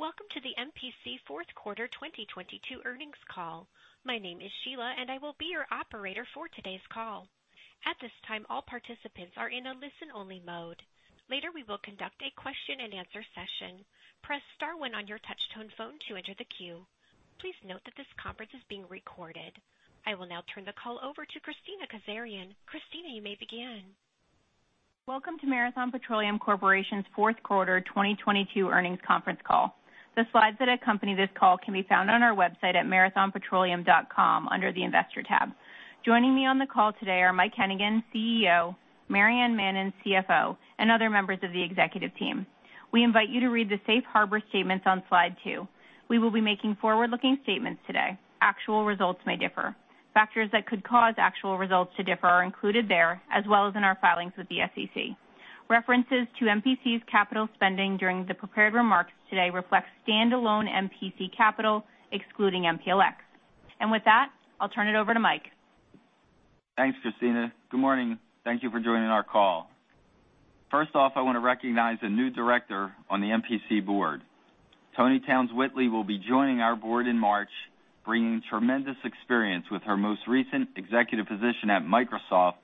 Welcome to the MPC Fourth Quarter 2022 Earnings Call. My name is Sheila, and I will be your operator for today's call. At this time, all participants are in a listen-only mode. Later, we will conduct a question-and-answer session. Press star one on your touchtone phone to enter the queue. Please note that this conference is being recorded. I will now turn the call over to Kristina Kazarian. Kristina, you may begin. Welcome to Marathon Petroleum Corporation's Fourth Quarter 2022 Earnings Conference Call. The slides that accompany this call can be found on our website at marathonpetroleum.com under the Investor tab. Joining me on the call today are Mike Hennigan, CEO, Maryann Mannen, CFO, and other members of the executive team. We invite you to read the safe harbor statements on slide two. We will be making forward-looking statements today. Actual results may differ. Factors that could cause actual results to differ are included there, as well as in our filings with the SEC. References to MPC's capital spending during the prepared remarks today reflect standalone MPC capital, excluding MPLX. With that, I'll turn it over to Mike. Thanks, Kristina. Good morning. Thank you for joining our call. First off, I wanna recognize a new Director on the MPC Board. Toni Townes-Whitley will be joining our Board in March, bringing tremendous experience with her most recent executive position at Microsoft,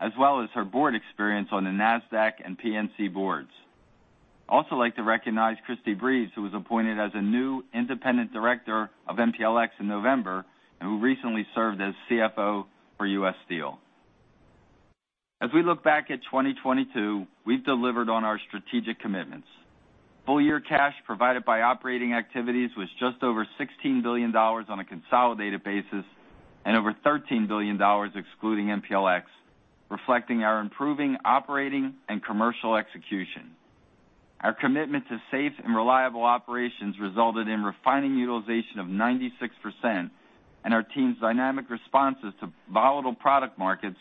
as well as her board experience on the Nasdaq and PNC boards. I also like to recognize Christi Breeze, who was appointed as a new Independent Director of MPLX in November and who recently served as CFO for U.S. Steel. As we look back at 2022, we've delivered on our strategic commitments. Full year cash provided by operating activities was just over $16 billion on a consolidated basis and over $13 billion excluding MPLX, reflecting our improving operating and commercial execution. Our commitment to safe and reliable operations resulted in refining utilization of 96%. Our team's dynamic responses to volatile product markets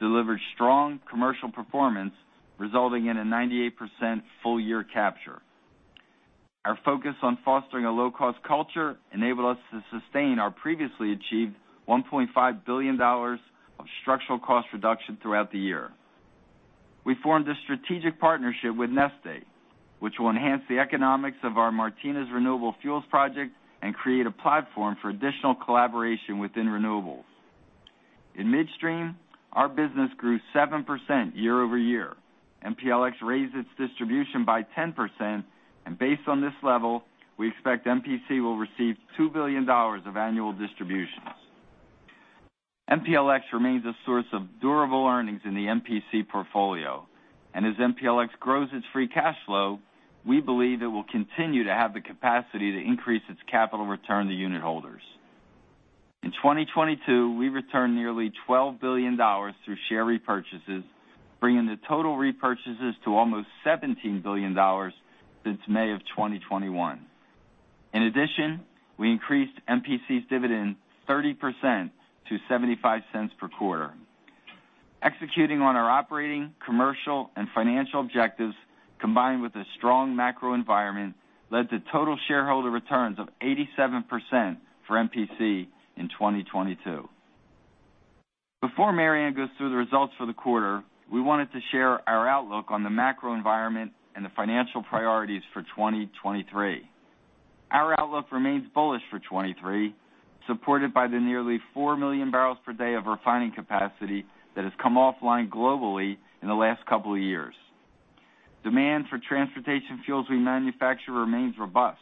delivered strong commercial performance, resulting in a 98% full year capture. Our focus on fostering a low-cost culture enabled us to sustain our previously achieved $1.5 billion of structural cost reduction throughout the year. We formed a strategic partnership with Neste, which will enhance the economics of our Martinez Renewable fuels project and create a platform for additional collaboration within renewables. In midstream, our business grew 7% year-over-year. MPLX raised its distribution by 10%. Based on this level, we expect MPC will receive $2 billion of annual distributions. MPLX remains a source of durable earnings in the MPC portfolio, and as MPLX grows its free cash flow, we believe it will continue to have the capacity to increase its capital return to unit holders. In 2022, we returned nearly $12 billion through share repurchases, bringing the total repurchases to almost $17 billion since May of 2021. In addition, we increased MPC's dividend 30% to $0.75 per quarter. Executing on our operating, commercial, and financial objectives, combined with a strong macro environment, led to total shareholder returns of 87% for MPC in 2022. Before Maryann goes through the results for the quarter, we wanted to share our outlook on the macro environment and the financial priorities for 2023. Our outlook remains bullish for 23, supported by the nearly 4 million barrels per day of refining capacity that has come offline globally in the last couple of years. Demand for transportation fuels we manufacture remains robust.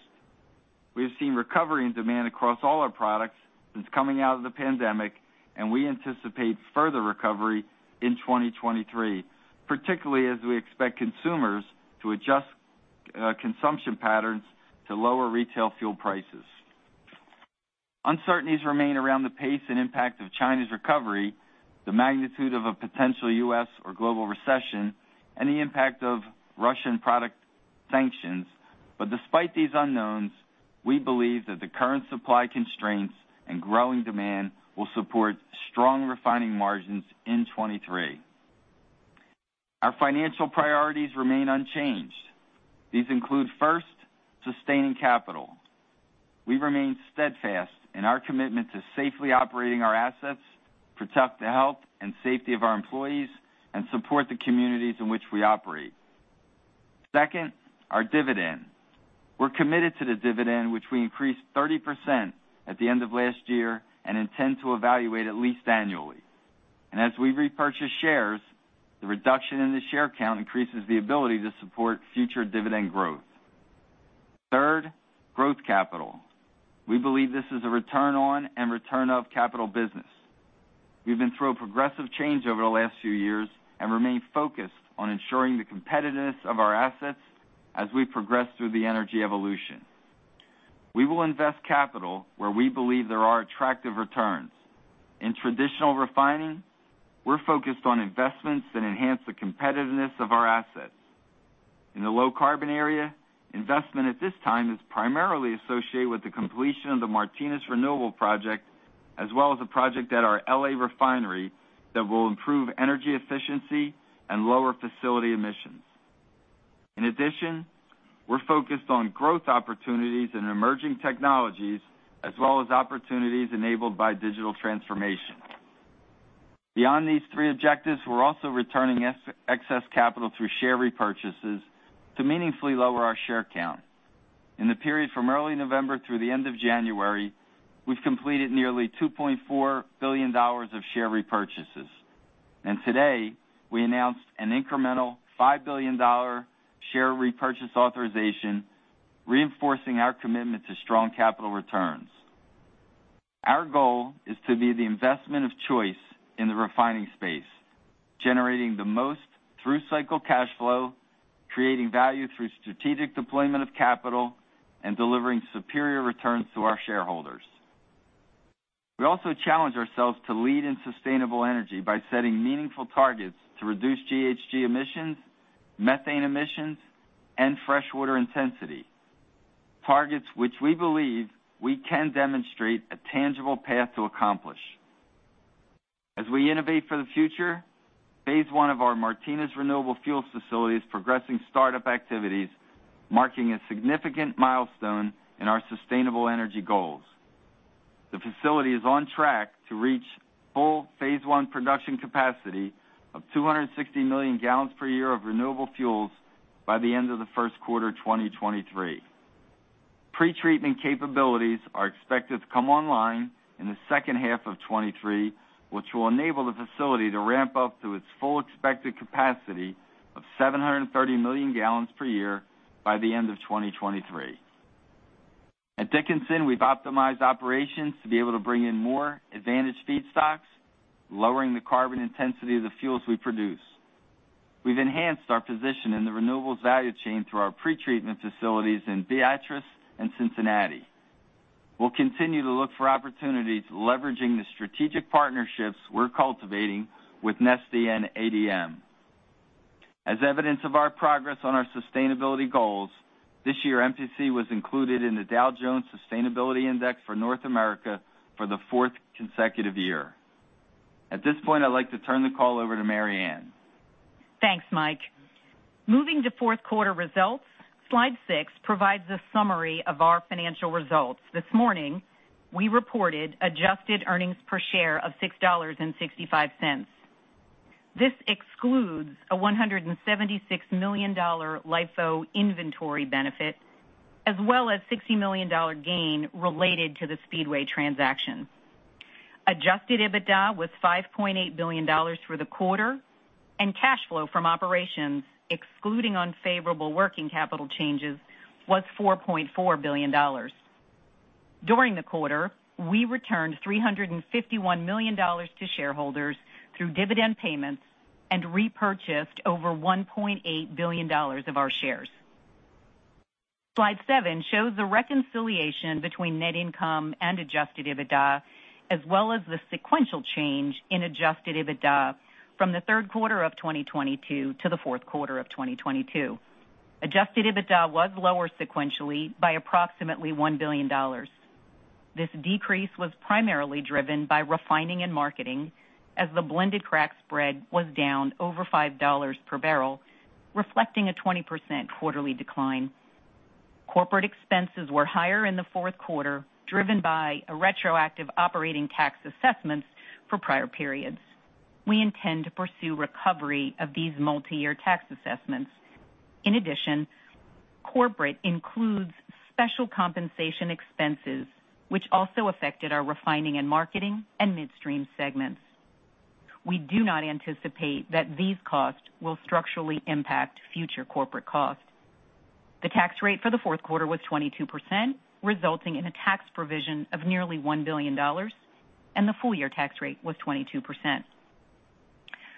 We have seen recovery in demand across all our products since coming out of the pandemic, and we anticipate further recovery in 2023, particularly as we expect consumers to adjust consumption patterns to lower retail fuel prices. Uncertainties remain around the pace and impact of China's recovery, the magnitude of a potential U.S. or global recession, and the impact of Russian product sanctions. Despite these unknowns, we believe that the current supply constraints and growing demand will support strong refining margins in 2023. Our financial priorities remain unchanged. These include, first, sustaining capital. We remain steadfast in our commitment to safely operating our assets, protect the health and safety of our employees, and support the communities in which we operate. Second, our dividend. We're committed to the dividend, which we increased 30% at the end of last year and intend to evaluate at least annually. As we repurchase shares, the reduction in the share count increases the ability to support future dividend growth. Third, growth capital. We believe this is a return on and return of capital business. We've been through a progressive change over the last few years and remain focused on ensuring the competitiveness of our assets as we progress through the energy evolution. We will invest capital where we believe there are attractive returns. In traditional refining, we're focused on investments that enhance the competitiveness of our assets. In the low carbon area, investment at this time is primarily associated with the completion of the Martinez Renewable project, as well as a project at our L.A. refinery that will improve energy efficiency and lower facility emissions. We're focused on growth opportunities in emerging technologies as well as opportunities enabled by digital transformation. Beyond these three objectives, we're also returning excess capital through share repurchases to meaningfully lower our share count. In the period from early November through the end of January, we've completed nearly $2.4 billion of share repurchases. Today, we announced an incremental $5 billion share repurchase authorization, reinforcing our commitment to strong capital returns. Our goal is to be the investment of choice in the refining space, generating the most through-cycle cash flow, creating value through strategic deployment of capital, and delivering superior returns to our shareholders. We also challenge ourselves to lead in sustainable energy by setting meaningful targets to reduce GHG emissions, methane emissions, and freshwater intensity, targets which we believe we can demonstrate a tangible path to accomplish. As we innovate for the future, phase one of our Martinez Renewable Fuel Facility is progressing startup activities, marking a significant milestone in our sustainable energy goals. The facility is on track to reach full phase one production capacity of 260 million gallons per year of renewable fuels by the end of the first quarter 2023. Pre-treatment capabilities are expected to come online in the second half of 2023, which will enable the facility to ramp up to its full expected capacity of 730 million gallons per year by the end of 2023. At Dickinson, we've optimized operations to be able to bring in more advantage feedstocks, lowering the carbon intensity of the fuels we produce. We've enhanced our position in the renewables value chain through our pre-treatment facilities in Beatrice and Cincinnati. We'll continue to look for opportunities leveraging the strategic partnerships we're cultivating with Neste and ADM. As evidence of our progress on our sustainability goals, this year MPC was included in the Dow Jones Sustainability Index for North America for the fourth consecutive year. At this point, I'd like to turn the call over to Mary Ann. Thanks, Mike. Moving to fourth quarter results, slide six provides a summary of our financial results. This morning, we reported adjusted earnings per share of $6.65. This excludes a $176 million LIFO inventory benefit, as well as $60 million gain related to the Speedway transaction. Adjusted EBITDA was $5.8 billion for the quarter, and cash flow from operations, excluding unfavorable working capital changes, was $4.4 billion. During the quarter, we returned $351 million to shareholders through dividend payments and repurchased over $1.8 billion of our shares. Slide seven shows the reconciliation between net income and Adjusted EBITDA, as well as the sequential change in Adjusted EBITDA from the third quarter of 2022 to the fourth quarter of 2022. Adjusted EBITDA was lower sequentially by approximately $1 billion. This decrease was primarily driven by refining and marketing as the blended crack spread was down over $5 per barrel, reflecting a 20% quarterly decline. Corporate expenses were higher in the fourth quarter, driven by a retroactive operating tax assessment for prior periods. We intend to pursue recovery of these multi-year tax assessments. In addition, corporate includes special compensation expenses, which also affected our refining and marketing and midstream segments. We do not anticipate that these costs will structurally impact future corporate costs. The tax rate for the fourth quarter was 22%, resulting in a tax provision of nearly $1 billion, and the full-year tax rate was 22%.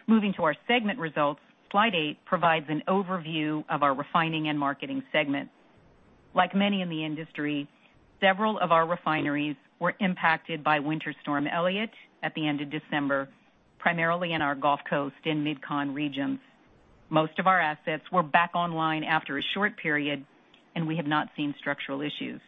Moving to our segment results, slide eight provides an overview of our refining and marketing segment. Like many in the industry, several of our refineries were impacted by Winter Storm Elliott at the end of December, primarily in our Gulf Coast and MidCon regions. Most of our assets were back online after a short period, and we have not seen structural issues.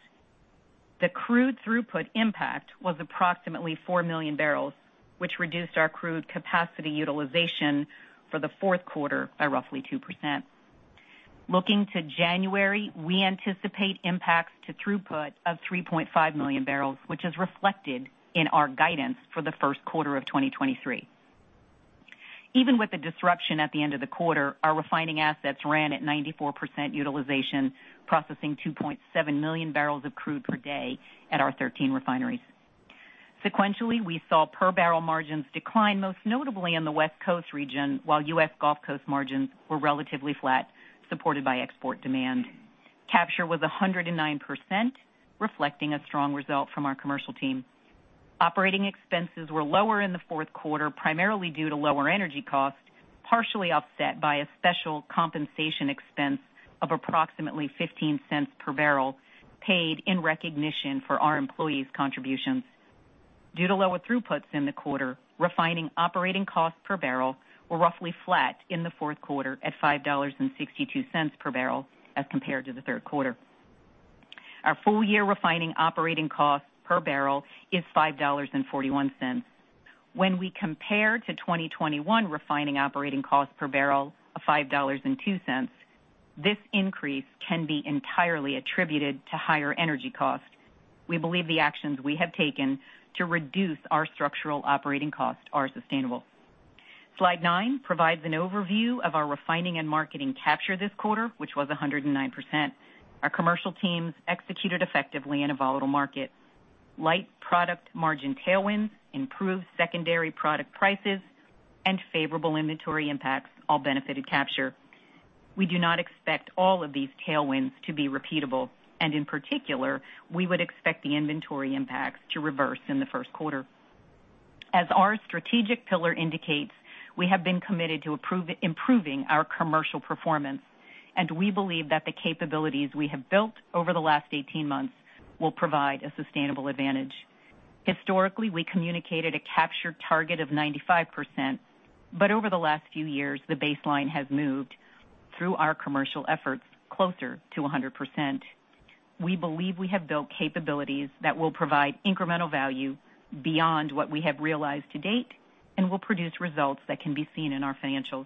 The crude throughput impact was approximately 4 million barrels, which reduced our crude capacity utilization for the fourth quarter by roughly 2%. Looking to January, we anticipate impacts to throughput of 3.5 million barrels, which is reflected in our guidance for the first quarter of 2023. Even with the disruption at the end of the quarter, our refining assets ran at 94% utilization, processing 2.7 million barrels of crude per day at our 13 refineries. Sequentially, we saw per barrel margins decline most notably in the West Coast region, while U.S. Gulf Coast margins were relatively flat, supported by export demand. Capture was 109%, reflecting a strong result from our commercial team. Operating expenses were lower in the fourth quarter, primarily due to lower energy costs, partially offset by a special compensation expense of approximately $0.15 per barrel paid in recognition for our employees' contributions. Due to lower throughputs in the quarter, refining operating costs per barrel were roughly flat in the fourth quarter at $5.62 per barrel as compared to the third quarter. Our full-year refining operating cost per barrel is $5.41. When we compare to 2021 refining operating cost per barrel of $5.02. This increase can be entirely attributed to higher energy costs. We believe the actions we have taken to reduce our structural operating costs are sustainable. Slide nine provides an overview of our refining and marketing capture this quarter, which was 109%. Our commercial teams executed effectively in a volatile market. Light product margin tailwinds, improved secondary product prices, and favorable inventory impacts all benefited capture. We do not expect all of these tailwinds to be repeatable, and in particular, we would expect the inventory impacts to reverse in the first quarter. As our strategic pillar indicates, we have been committed to improving our commercial performance, and we believe that the capabilities we have built over the last 18 months will provide a sustainable advantage. Historically, we communicated a capture target of 95%, over the last few years, the baseline has moved through our commercial efforts closer to 100%. We believe we have built capabilities that will provide incremental value beyond what we have realized to date and will produce results that can be seen in our financials.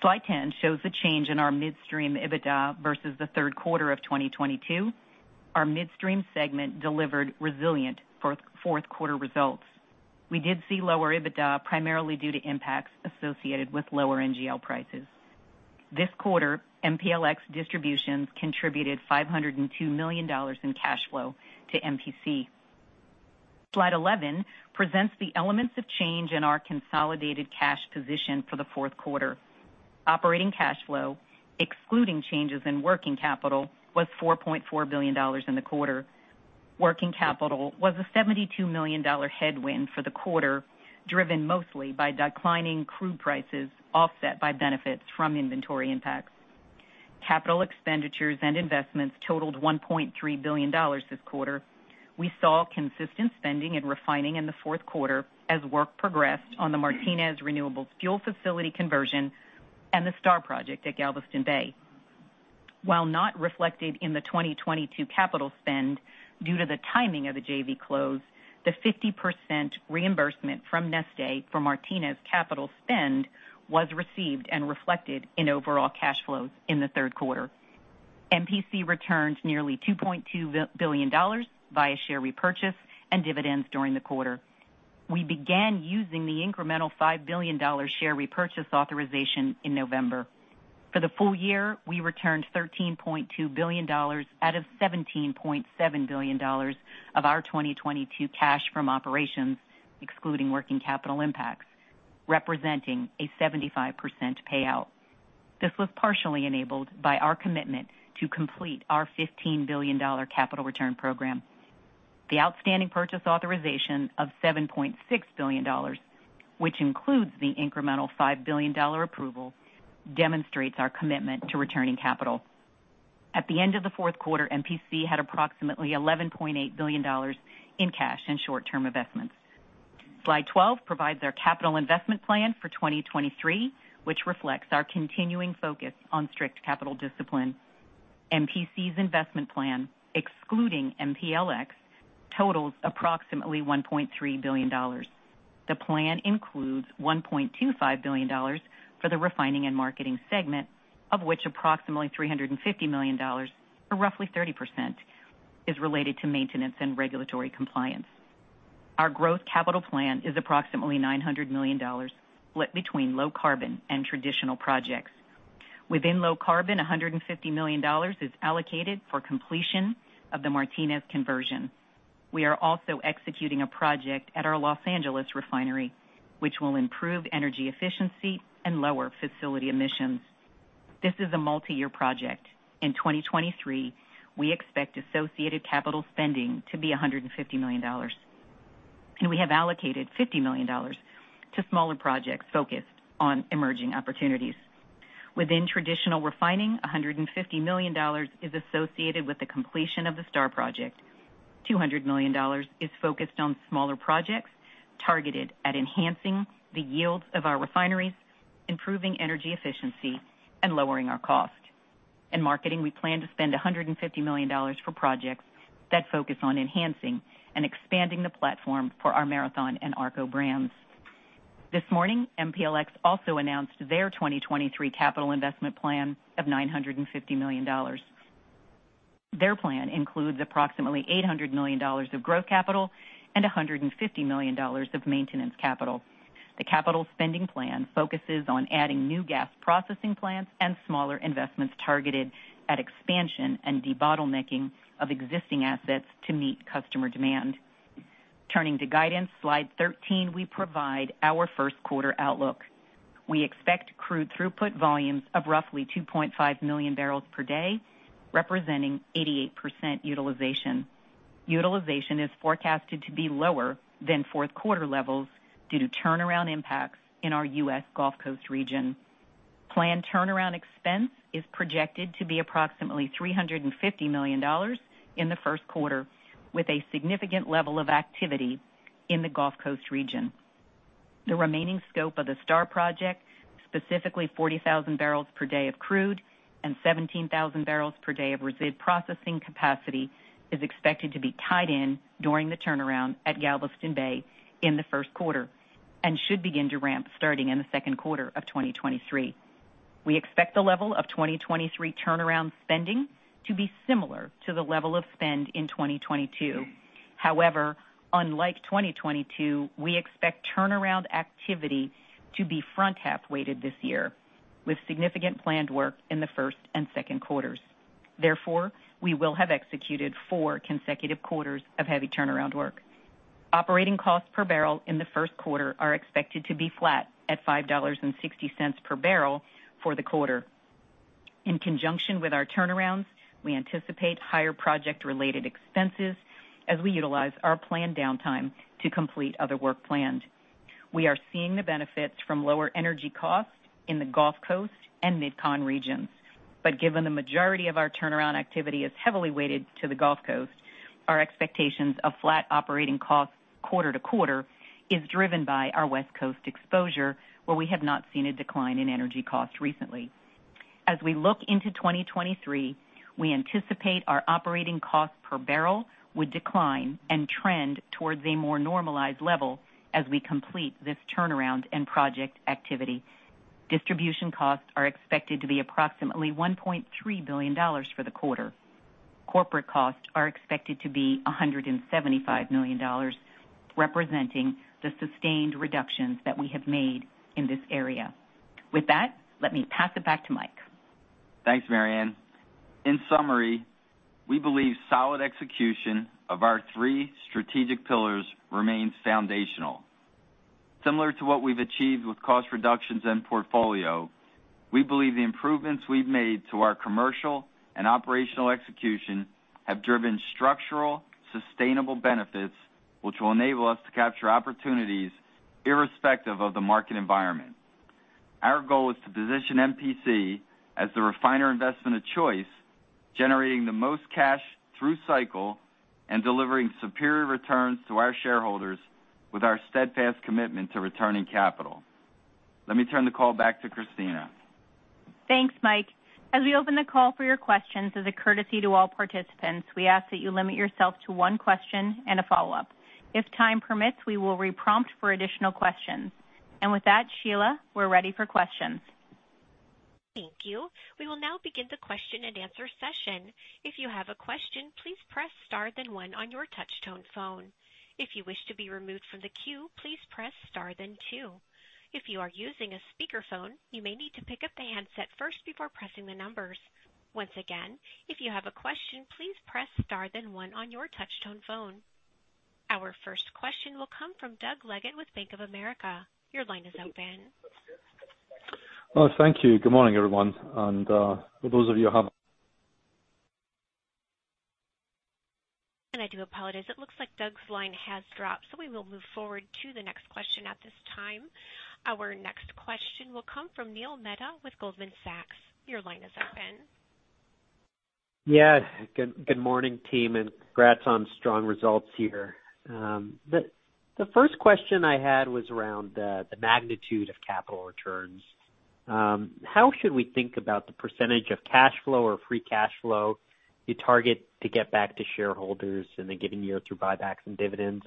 Slide 10 shows the change in our midstream EBITDA versus the third quarter of 2022. Our midstream segment delivered resilient fourth quarter results. We did see lower EBITDA primarily due to impacts associated with lower NGL prices. This quarter, MPLX distributions contributed $502 million in cash flow to MPC. Slide 11 presents the elements of change in our consolidated cash position for the fourth quarter. Operating cash flow, excluding changes in working capital, was $4.4 billion in the quarter. Working capital was a $72 million headwind for the quarter, driven mostly by declining crude prices, offset by benefits from inventory impacts. Capital expenditures and investments totaled $1.3 billion this quarter. We saw consistent spending in refining in the fourth quarter as work progressed on the Martinez Renewable Fuel facility conversion and the STAR project at Galveston Bay. While not reflected in the 2022 capital spend, due to the timing of the JV close, the 50% reimbursement from Neste for Martinez Capital Spend was received and reflected in overall cash flows in the third quarter. MPC returned nearly $2.2 billion via share repurchase and dividends during the quarter. We began using the incremental $5 billion share repurchase authorization in November. For the full year, we returned $13.2 billion out of $17.7 billion of our 2022 cash from operations, excluding working capital impacts, representing a 75% payout. This was partially enabled by our commitment to complete our $15 billion capital return program. The outstanding purchase authorization of $7.6 billion, which includes the incremental $5 billion approval, demonstrates our commitment to returning capital. At the end of the fourth quarter, MPC had approximately $11.8 billion in cash and short-term investments. Slide 12 provides our capital investment plan for 2023, which reflects our continuing focus on strict capital discipline. MPC's investment plan, excluding MPLX, totals approximately $1.3 billion. The plan includes $1.25 billion for the refining and marketing segment, of which approximately $350 million, or roughly 30%, is related to maintenance and regulatory compliance. Our growth capital plan is approximately $900 million split between low carbon and traditional projects. Within low carbon, $150 million is allocated for completion of the Martinez conversion. We are also executing a project at our Los Angeles refinery, which will improve energy efficiency and lower facility emissions. This is a multi-year project. In 2023, we expect associated capital spending to be $150 million. We have allocated $50 million to smaller projects focused on emerging opportunities. Within traditional refining, $150 million is associated with the completion of the STAR project. $200 million is focused on smaller projects targeted at enhancing the yields of our refineries, improving energy efficiency, and lowering our cost. In marketing, we plan to spend $150 million for projects that focus on enhancing and expanding the platform for our Marathon and ARCO brands. This morning, MPLX also announced their 2023 capital investment plan of $950 million. Their plan includes approximately $800 million of growth capital and $150 million of maintenance capital. The capital spending plan focuses on adding new gas processing plants and smaller investments targeted at expansion and debottlenecking of existing assets to meet customer demand. Turning to guidance, slide 13, we provide our first quarter outlook. We expect crude throughput volumes of roughly 2.5 million barrels per day, representing 88% utilization. Utilization is forecasted to be lower than fourth quarter levels due to turnaround impacts in our U.S. Gulf Coast region. Planned turnaround expense is projected to be approximately $350 million in the first quarter, with a significant level of activity in the Gulf Coast region. The remaining scope of the STAR project, specifically 40,000 barrels per day of crude and 17,000 barrels per day of resid processing capacity, is expected to be tied in during the turnaround at Galveston Bay in the first quarter. Should begin to ramp starting in the second quarter of 2023. We expect the level of 2023 turnaround spending to be similar to the level of spend in 2022. However, unlike 2022, we expect turnaround activity to be front half weighted this year, with significant planned work in the first and second quarters. Therefore, we will have executed four consecutive quarters of heavy turnaround work. Operating costs per barrel in the first quarter are expected to be flat at $5.60 per barrel for the quarter. In conjunction with our turnarounds, we anticipate higher project-related expenses as we utilize our planned downtime to complete other work plans. We are seeing the benefits from lower energy costs in the Gulf Coast and MidCon regions. Given the majority of our turnaround activity is heavily weighted to the Gulf Coast, our expectations of flat operating costs quarter to quarter is driven by our West Coast exposure, where we have not seen a decline in energy costs recently. As we look into 2023, we anticipate our operating costs per barrel would decline and trend towards a more normalized level as we complete this turnaround and project activity. Distribution costs are expected to be approximately $1.3 billion for the quarter. Corporate costs are expected to be $175 million, representing the sustained reductions that we have made in this area. With that, let me pass it back to Mike. Thanks, Maryann. In summary, we believe solid execution of our three strategic pillars remains foundational. Similar to what we've achieved with cost reductions and portfolio, we believe the improvements we've made to our commercial and operational execution have driven structural, sustainable benefits, which will enable us to capture opportunities irrespective of the market environment. Our goal is to position MPC as the refiner investment of choice, generating the most cash through cycle and delivering superior returns to our shareholders with our steadfast commitment to returning capital. Let me turn the call back to Kristina. Thanks, Mike. As we open the call for your questions, as a courtesy to all participants, we ask that you limit yourself to one question and a follow-up. If time permits, we will re-prompt for additional questions. With that, Sheila, we're ready for questions. Thank you. We will now begin the question-and-answer session. If you have a question, please press star then one on your touch-tone phone. If you wish to be removed from the queue, please press star than two. If you are using a speakerphone, you may need to pick up the handset first before pressing the numbers. Once again, if you have a question, please press star then one on your touch-tone phone. Our first question will come from Doug Leggate with Bank of America. Your line is open. Thank you. Good morning, everyone. For those of you who have. I do apologize. It looks like Doug's line has dropped, so we will move forward to the next question at this time. Our next question will come from Neil Mehta with Goldman Sachs. Your line is open. Yeah. Good morning, team, and congrats on strong results here. The first question I had was around the magnitude of capital returns. How should we think about the percentage of cash flow or free cash flow you target to get back to shareholders in the given year through buybacks and dividends?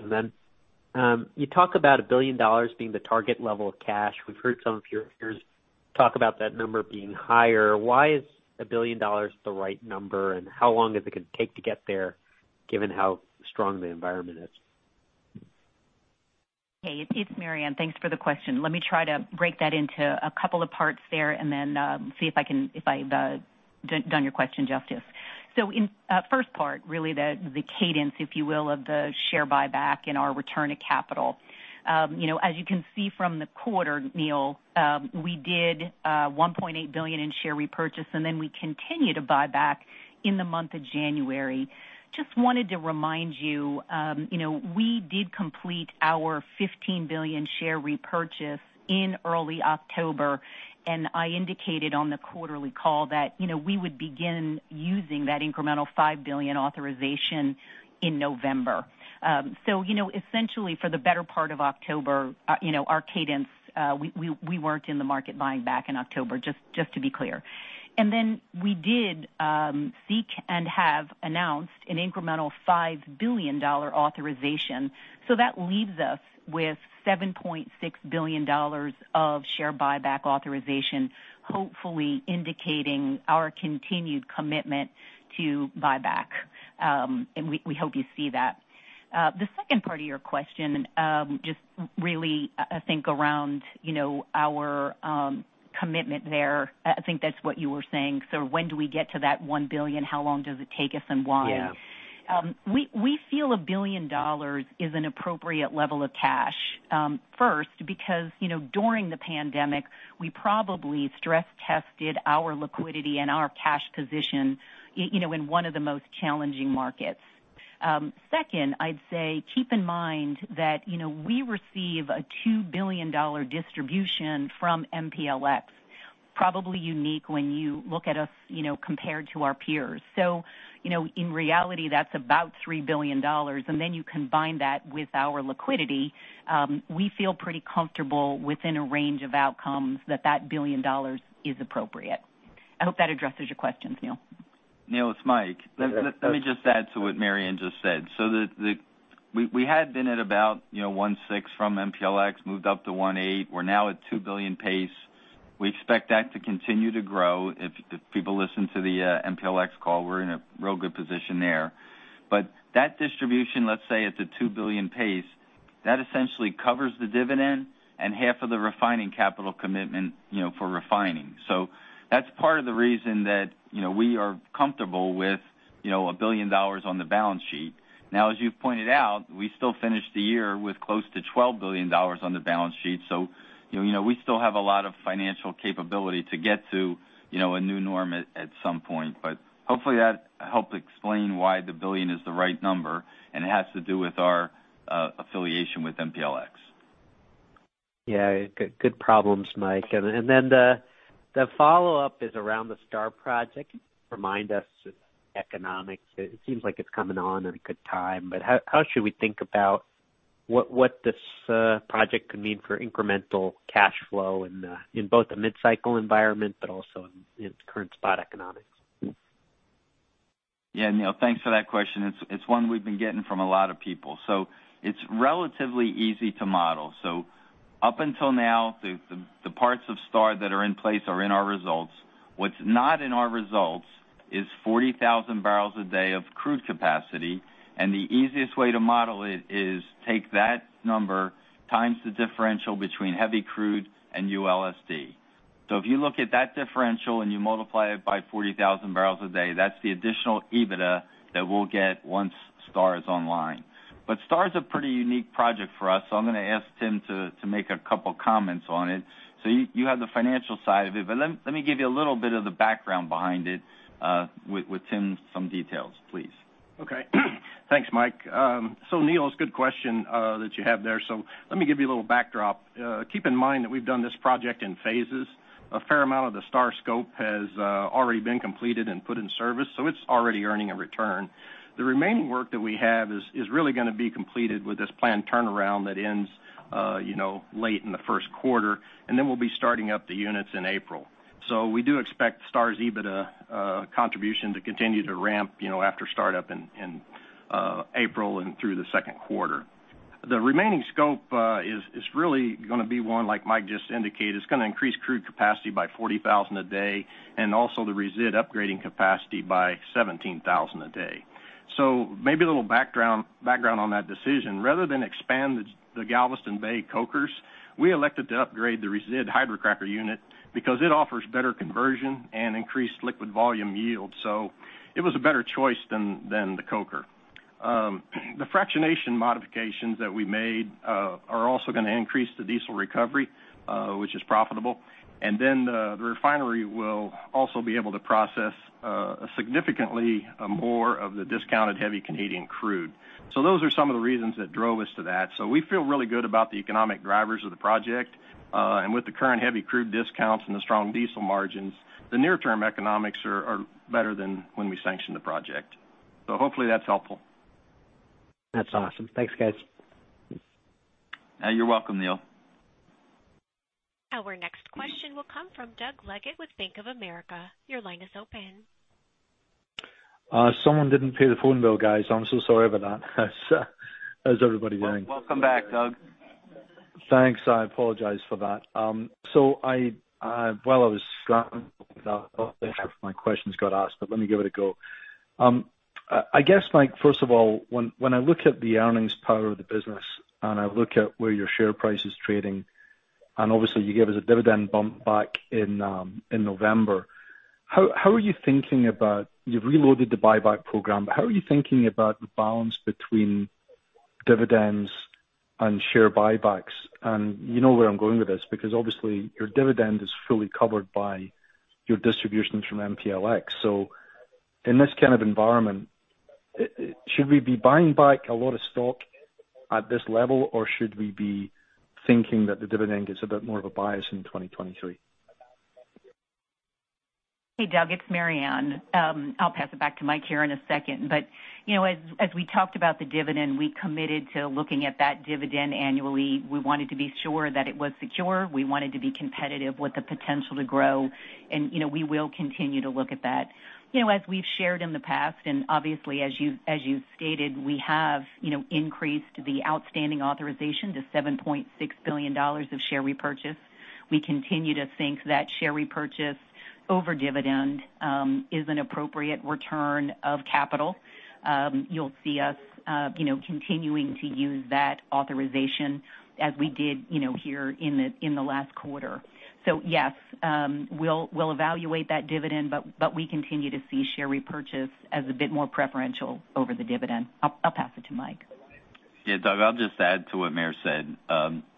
You talk about $1 billion being the target level of cash. We've heard some of your peers talk about that number being higher. Why is $1 billion the right number, and how long is it gonna take to get there given how strong the environment is? Hey, it's Maryann. Thanks for the question. Let me try to break that into a couple of parts there and then, see if I've done your question justice. In first part, really the cadence, if you will, of the share buyback in our return to capital. You know, as you can see from the quarter, Neil, we did $1.8 billion in share repurchase, and then we continue to buy back in the month of January. Just wanted to remind you know, we did complete our $15 billion share repurchase in early October, and I indicated on the quarterly call that, you know, we would begin using that incremental $5 billion authorization in November. You know, essentially for the better part of October, you know, our cadence, we weren't in the market buying back in October, just to be clear. Then we did seek and have announced an incremental $5 billion authorization. That leaves us with $7.6 billion of share buyback authorization, hopefully indicating our continued commitment to buyback. We hope you see that. The second part of your question, just really, I think around, you know, our commitment there. I think that's what you were saying. When do we get to that $1 billion? How long does it take us, and why? Yeah. We feel $1 billion is an appropriate level of cash, first, because, you know, during the pandemic, we probably stress tested our liquidity and our cash position you know, in one of the most challenging markets. Second, I'd say keep in mind that, you know, we receive a $2 billion distribution from MPLX, probably unique when you look at us, you know, compared to our peers. In reality, that's about $3 billion, and then you combine that with our liquidity, we feel pretty comfortable within a range of outcomes that that $1 billion is appropriate. I hope that addresses your questions, Neil. Neil, it's Mike. Let me just add to what Maryann Mannen just said. We had been at about, you know, 1.6 from MPLX, moved up to 1.8. We're now at $2 billion pace. We expect that to continue to grow. If people listen to the MPLX call, we're in a real good position there. That distribution, let's say, at the $2 billion pace, that essentially covers the dividend and half of the refining capital commitment, you know, for refining. That's part of the reason that, you know, we are comfortable with, you know, $1 billion on the balance sheet. Now, as you've pointed out, we still finished the year with close to $12 billion on the balance sheet. You know, we still have a lot of financial capability to get to, you know, a new norm at some point. Hopefully that helped explain why the $1 billion is the right number, and it has to do with our affiliation with MPLX. Yeah. Good problems, Mike. The follow-up is around the STAR project. Remind us economics. It seems like it's coming on at a good time, but how should we think about what this project could mean for incremental cash flow in both the mid-cycle environment but also in current spot economics? Yeah, Neil, thanks for that question. It's one we've been getting from a lot of people. It's relatively easy to model. Up until now, the parts of STAR that are in place are in our results. What's not in our results is 40,000 barrels a day of crude capacity, and the easiest way to model it is take that number times the differential between heavy crude and ULSD. If you look at that differential and you multiply it by 40,000 barrels a day, that's the additional EBITDA that we'll get once STAR is online. STAR is a pretty unique project for us, so I'm gonna ask Tim to make a couple comments on it. You have the financial side of it, but let me give you a little bit of the background behind it, with Tim some details, please. Okay. Thanks, Mike. Neil, it's a good question that you have there. Let me give you a little backdrop. Keep in mind that we've done this project in phases. A fair amount of the STAR scope has already been completed and put in service, so it's already earning a return. The remaining work that we have is really gonna be completed with this planned turnaround that ends, you know, late in the first quarter, and then we'll be starting up the units in April. We do expect STAR's EBITDA contribution to continue to ramp, you know, after startup in April and through the second quarter. The remaining scope is really gonna be one like Mike just indicated. It's gonna increase crude capacity by 40,000 a day and also the resid upgrading capacity by 17,000 a day. Maybe a little background on that decision. Rather than expand the Galveston Bay cokers, we elected to upgrade the resid hydrocracker unit because it offers better conversion and increased liquid volume yield. It was a better choice than the coker. The fractionation modifications that we made are also gonna increase the diesel recovery, which is profitable. The refinery will also be able to process significantly more of the discounted heavy Canadian crude. Those are some of the reasons that drove us to that. We feel really good about the economic drivers of the project. With the current heavy crude discounts and the strong diesel margins, the near-term economics are better than when we sanctioned the project. Hopefully that's helpful. That's awesome. Thanks, guys. You're welcome, Neil. Our next question will come from Doug Leggate with Bank of America. Your line is open. Someone didn't pay the phone bill, guys. I'm so sorry about that. How's everybody doing? Welcome back, Doug. Thanks. I apologize for that. While my questions got asked, but let me give it a go. I guess, Mike, first of all, when I look at the earnings power of the business and I look at where your share price is trading, and obviously you gave us a dividend bump back in November. You've reloaded the buyback program, but how are you thinking about the balance between dividends and share buybacks? You know where I'm going with this because obviously your dividend is fully covered by your distributions from MPLX. In this kind of environment, should we be buying back a lot of stock at this level, or should we be thinking that the dividend gets a bit more of a bias in 2023? Hey, Doug, it's Maryann Mannen. I'll pass it back to Mike here in a second. You know, as we talked about the dividend, we committed to looking at that dividend annually. We wanted to be sure that it was secure. We wanted to be competitive with the potential to grow. You know, we will continue to look at that. You know, as we've shared in the past, and obviously as you stated, we have, you know, increased the outstanding authorization to $7.6 billion of share repurchase. We continue to think that share repurchase over dividend is an appropriate return of capital. You'll see us, you know, continuing to use that authorization as we did, you know, here in the last quarter. Yes, we'll evaluate that dividend, but we continue to see share repurchase as a bit more preferential over the dividend. I'll pass it to Mike. Yeah, Doug, I'll just add to what Maryann said.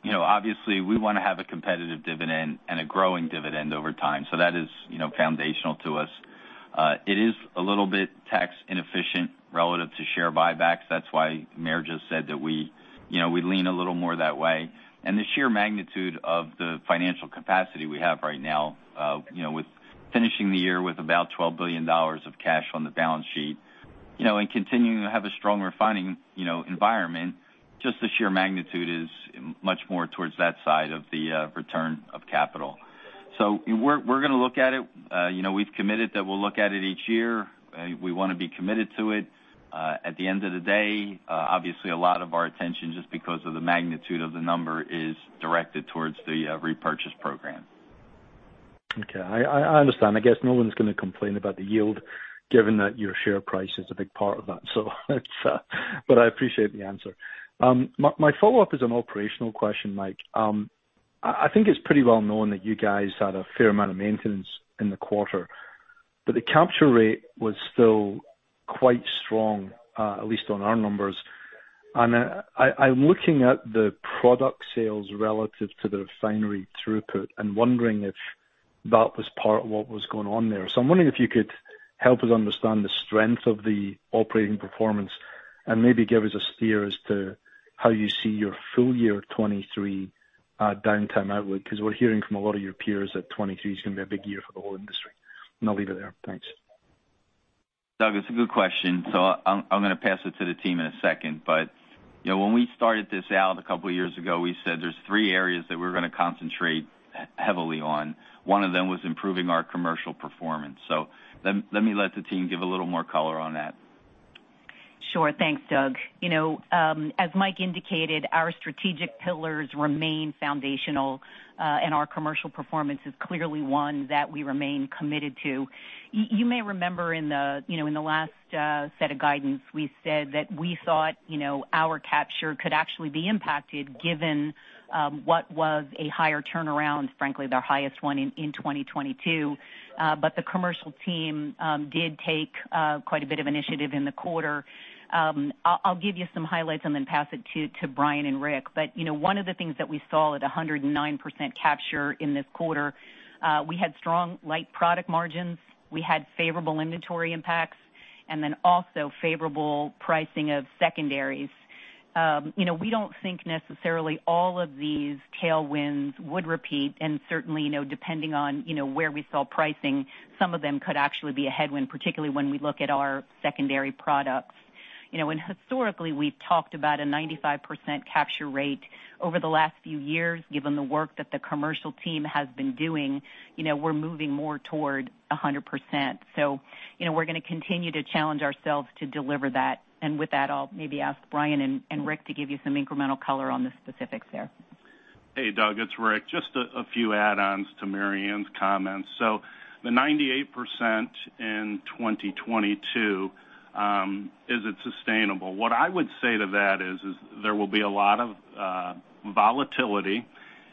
You know, obviously we wanna have a competitive dividend and a growing dividend over time. That is, you know, foundational to us. It is a little bit tax inefficient relative to share buybacks. That's why Maryann just said that we, you know, we lean a little more that way. The sheer magnitude of the financial capacity we have right now, you know, with finishing the year with about $12 billion of cash on the balance sheet- You know, continuing to have a strong refining, you know, environment, just the sheer magnitude is much more towards that side of the return of capital. We're, we're gonna look at it. You know, we've committed that we'll look at it each year. We wanna be committed to it. At the end of the day, obviously a lot of our attention, just because of the magnitude of the number, is directed towards the repurchase program. Okay. I understand. I guess no one's gonna complain about the yield given that your share price is a big part of that. It's. I appreciate the answer. My follow-up is an operational question, Mike. I think it's pretty well known that you guys had a fair amount of maintenance in the quarter, but the capture rate was still quite strong, at least on our numbers. I'm looking at the product sales relative to the refinery throughput and wondering if that was part of what was going on there. I'm wondering if you could help us understand the strength of the operating performance and maybe give us a steer as to how you see your full year 2023 downtime outlook, 'cause we're hearing from a lot of your peers that 2023 is gonna be a big year for the whole industry. I'll leave it there. Thanks. Doug, it's a good question. I'm gonna pass it to the team in a second. You know, when we started this out a couple years ago, we said there's three areas that we're gonna concentrate heavily on. One of them was improving our commercial performance. Let me let the team give a little more color on that. Sure. Thanks, Doug. You know, as Mike indicated, our strategic pillars remain foundational, and our commercial performance is clearly one that we remain committed to. You may remember in the last set of guidance, we said that we thought our capture could actually be impacted given what was a higher turnaround, frankly, the highest one in 2022. The commercial team did take quite a bit of initiative in the quarter. I'll give you some highlights and then pass it to Brian and Rick. You know, one of the things that we saw at 109% capture in this quarter, we had strong light product margins, we had favorable inventory impacts, and then also favorable pricing of secondaries. You know, we don't think necessarily all of these tailwinds would repeat, and certainly, you know, depending on, you know, where we saw pricing, some of them could actually be a headwind, particularly when we look at our secondary products. You know, and historically, we've talked about a 95% capture rate over the last few years given the work that the commercial team has been doing. You know, we're moving more toward 100%. You know, we're gonna continue to challenge ourselves to deliver that. I'll maybe ask Brian and Rick to give you some incremental color on the specifics there. Hey, Doug, it's Rick. Just a few add-ons to Maryann Mannen's comments. The 98% in 2022, is it sustainable? What I would say to that is there will be a lot of volatility,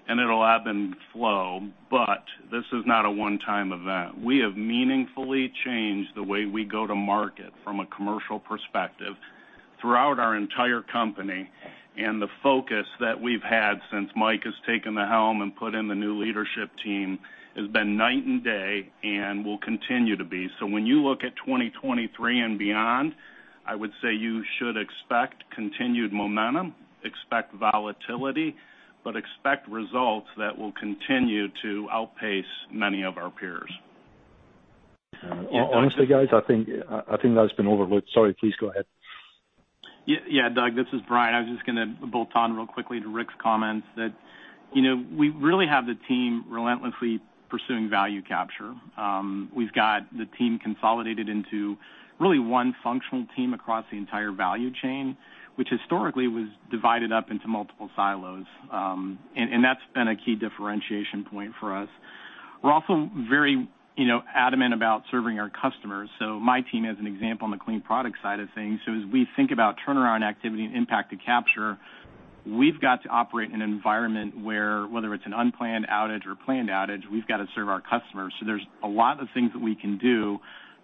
and it'll ebb and flow, but this is not a one-time event. We have meaningfully changed the way we go to market from a commercial perspective throughout our entire company, and the focus that we've had since Mike has taken the helm and put in the new leadership team has been night and day and will continue to be. When you look at 2023 and beyond, I would say you should expect continued momentum, expect volatility, but expect results that will continue to outpace many of our peers. Honestly, guys, I think, I think that's been overlooked. Sorry, please go ahead. Yeah. Yeah, Doug, this is Brian. I was just gonna bolt on real quickly to Rick's comments that, you know, we really have the team relentlessly pursuing value capture. We've got the team consolidated into really one functional team across the entire value chain, which historically was divided up into multiple silos. That's been a key differentiation point for us. We're also very, you know, adamant about serving our customers. My team, as an example on the clean product side of things, so as we think about turnaround activity and impact to capture, we've got to operate in an environment where whether it's an unplanned outage or planned outage, we've got to serve our customers. There's a lot of things that we can do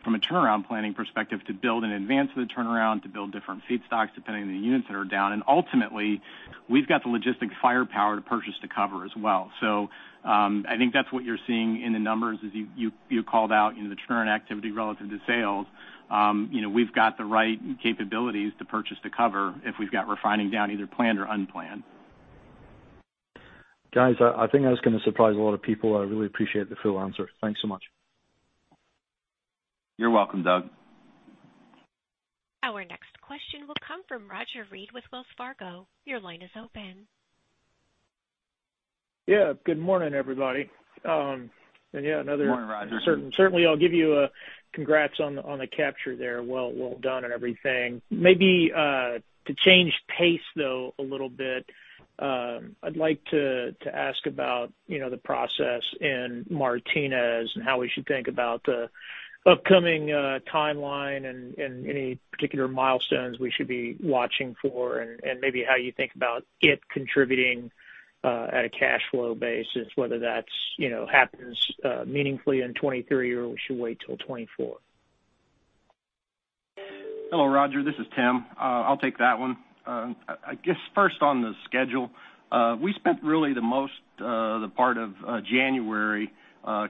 from a turnaround planning perspective to build in advance of the turnaround, to build different feedstocks depending on the units that are down. Ultimately, we've got the logistics firepower to purchase to cover as well. I think that's what you're seeing in the numbers as you called out in the churn activity relative to sales. You know, we've got the right capabilities to purchase to cover if we've got refining down either planned or unplanned. Guys, I think that's gonna surprise a lot of people. I really appreciate the full answer. Thanks so much. You're welcome, Doug. Our next question will come from Roger Read with Wells Fargo. Your line is open. Yeah. Good morning, everybody. yeah. Good morning, Roger. Certainly, I'll give you a congrats on the capture there. Well, well done and everything. Maybe to change pace, though, a little bit, I'd like to ask about, you know, the process in Martinez and how we should think about the upcoming timeline and any particular milestones we should be watching for and maybe how you think about it contributing at a cash flow basis, whether that's, you know, happens meaningfully in 2023, or we should wait till 2024. Hello, Roger. This is Tim. I guess first on the schedule, we spent really the most part of January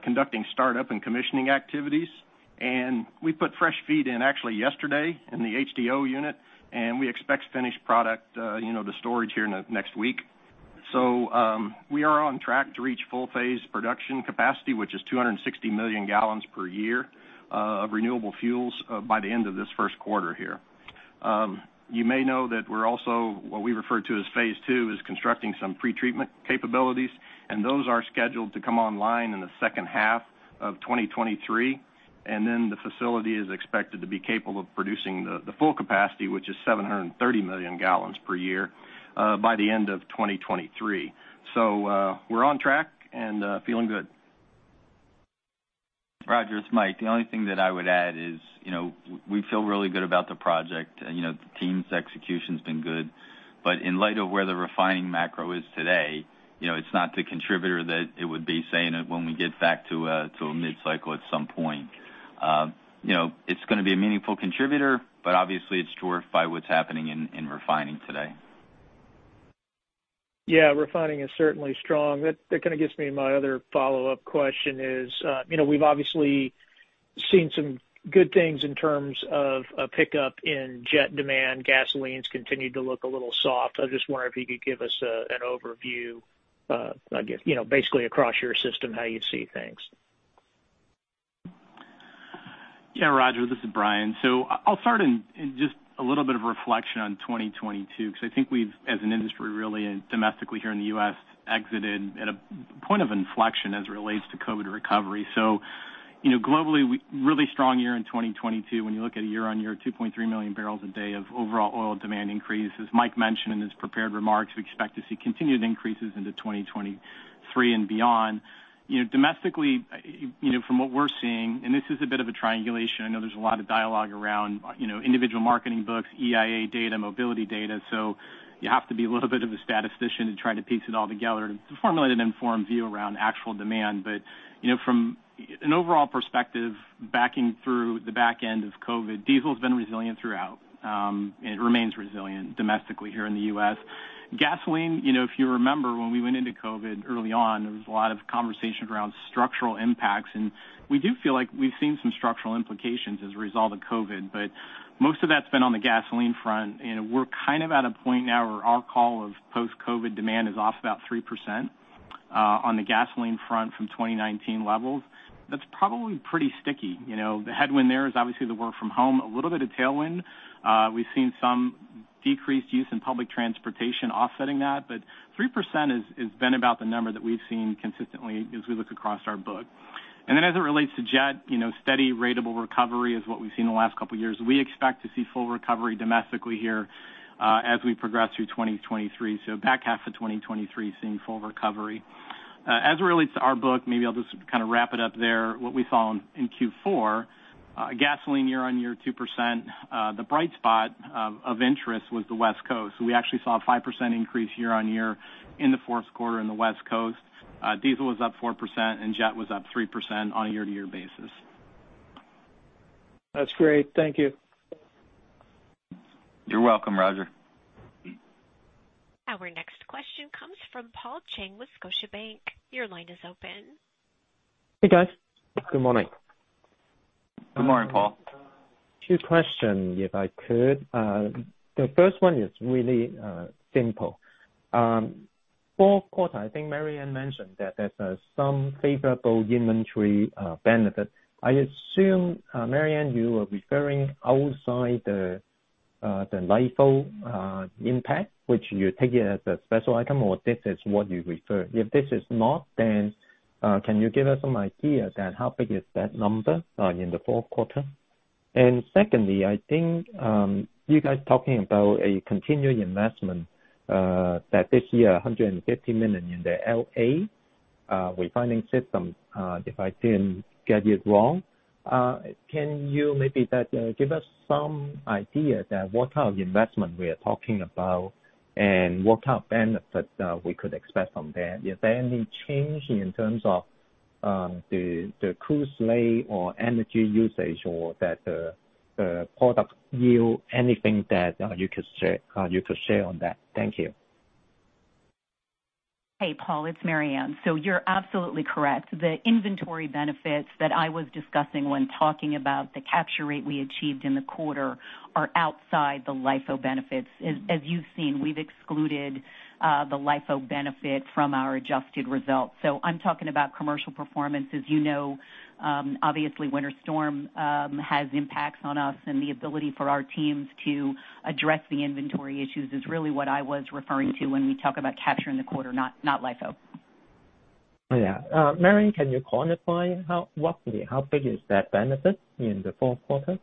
conducting startup and commissioning activities. We put fresh feed in actually yesterday in the HDO unit, and we expect finished product, you know, to storage here in the next week. We are on track to reach full phase production capacity, which is 260 million gallons per year of renewable fuels by the end of this first quarter here. You may know that we're also, what we refer to as phase two, is constructing some pretreatment capabilities. Those are scheduled to come online in the second half of 2023. The facility is expected to be capable of producing the full capacity, which is 730 million gallons per year, by the end of 2023. We're on track and feeling good. Roger, it's Mike. The only thing that I would add is, you know, we feel really good about the project. You know, the team's execution's been good. In light of where the refining macro is today, you know, it's not the contributor that it would be, say, when we get back to a mid-cycle at some point. You know, it's gonna be a meaningful contributor, but obviously it's dwarfed by what's happening in refining today. Yeah, refining is certainly strong. That kinda gets me to my other follow-up question is, you know, we've obviously seen some good things in terms of a pickup in jet demand. Gasoline's continued to look a little soft. I just wonder if you could give us an overview, I guess, you know, basically across your system, how you see things? Yeah, Roger, this is Brian. I'll start in just a little bit of reflection on 2022, 'cause I think we've, as an industry really, and domestically here in the U.S., exited at a point of inflection as it relates to COVID recovery. You know, globally we. Really strong year in 2022 when you look at a year-over-year 2.3 million barrels a day of overall oil demand increase. As Mike mentioned in his prepared remarks, we expect to see continued increases into 2023 and beyond. Domestically, you know, from what we're seeing, and this is a bit of a triangulation. I know there's a lot of dialogue around, you know, individual marketing books, EIA data, mobility data. You have to be a little bit of a statistician to try to piece it all together to formulate an informed view around actual demand. You know, from an overall perspective, backing through the back end of COVID, diesel's been resilient throughout, and it remains resilient domestically here in the U.S. Gasoline, you know, if you remember when we went into COVID early on, there was a lot of conversation around structural impacts, and we do feel like we've seen some structural implications as a result of COVID. Most of that's been on the gasoline front, and we're kind of at a point now where our call of post-COVID demand is off about 3% on the gasoline front from 2019 levels. That's probably pretty sticky. You know, the headwind there is obviously the work from home. A little bit of tailwind. We've seen some decreased use in public transportation offsetting that. Three percent has been about the number that we've seen consistently as we look across our book. As it relates to jet, you know, steady ratable recovery is what we've seen the last couple years. We expect to see full recovery domestically here as we progress through 2023. Back half of 2023 seeing full recovery. As it relates to our book, maybe I'll just kind of wrap it up there, what we saw in Q4, gasoline year-on-year 2%. The bright spot of interest was the West Coast. We actually saw a 5% increase year-on-year in the fourth quarter in the West Coast. Diesel was up 4%, and jet was up 3% on a year-to-year basis. That's great. Thank you. You're welcome, Roger. Our next question comes from Paul Cheng with Scotiabank. Your line is open. Hey, guys. Good morning. Good morning, Paul. Two questions, if I could. The first one is really simple. Fourth quarter, I think Maryann Mannen mentioned that there's some favorable inventory benefit. I assume, Maryann Mannen, you are referring outside the LIFO impact, which you take it as a special item, or this is what you refer. If this is not, can you give us some idea that how big is that number in the fourth quarter? Secondly, I think you guys talking about a continuing investment that this year $150 million in the L.A. refining system, if I didn't get it wrong. Can you maybe that give us some idea that what kind of investment we are talking about and what kind of benefits we could expect from that? Is there any change in terms of the crude slate or energy usage or that the product yield? Anything that you could share on that? Thank you. Hey, Paul. It's Maryann Mannen. You're absolutely correct. The inventory benefits that I was discussing when talking about the capture rate we achieved in the quarter are outside the LIFO benefits. As you've seen, we've excluded the LIFO benefit from our adjusted results. I'm talking about commercial performance. As you know, obviously Winter Storm Elliott has impacts on us and the ability for our teams to address the inventory issues is really what I was referring to when we talk about capture in the quarter, not LIFO. Yeah. Maryann Mannen, can you quantify how roughly, how big is that benefit in the fourth quarter?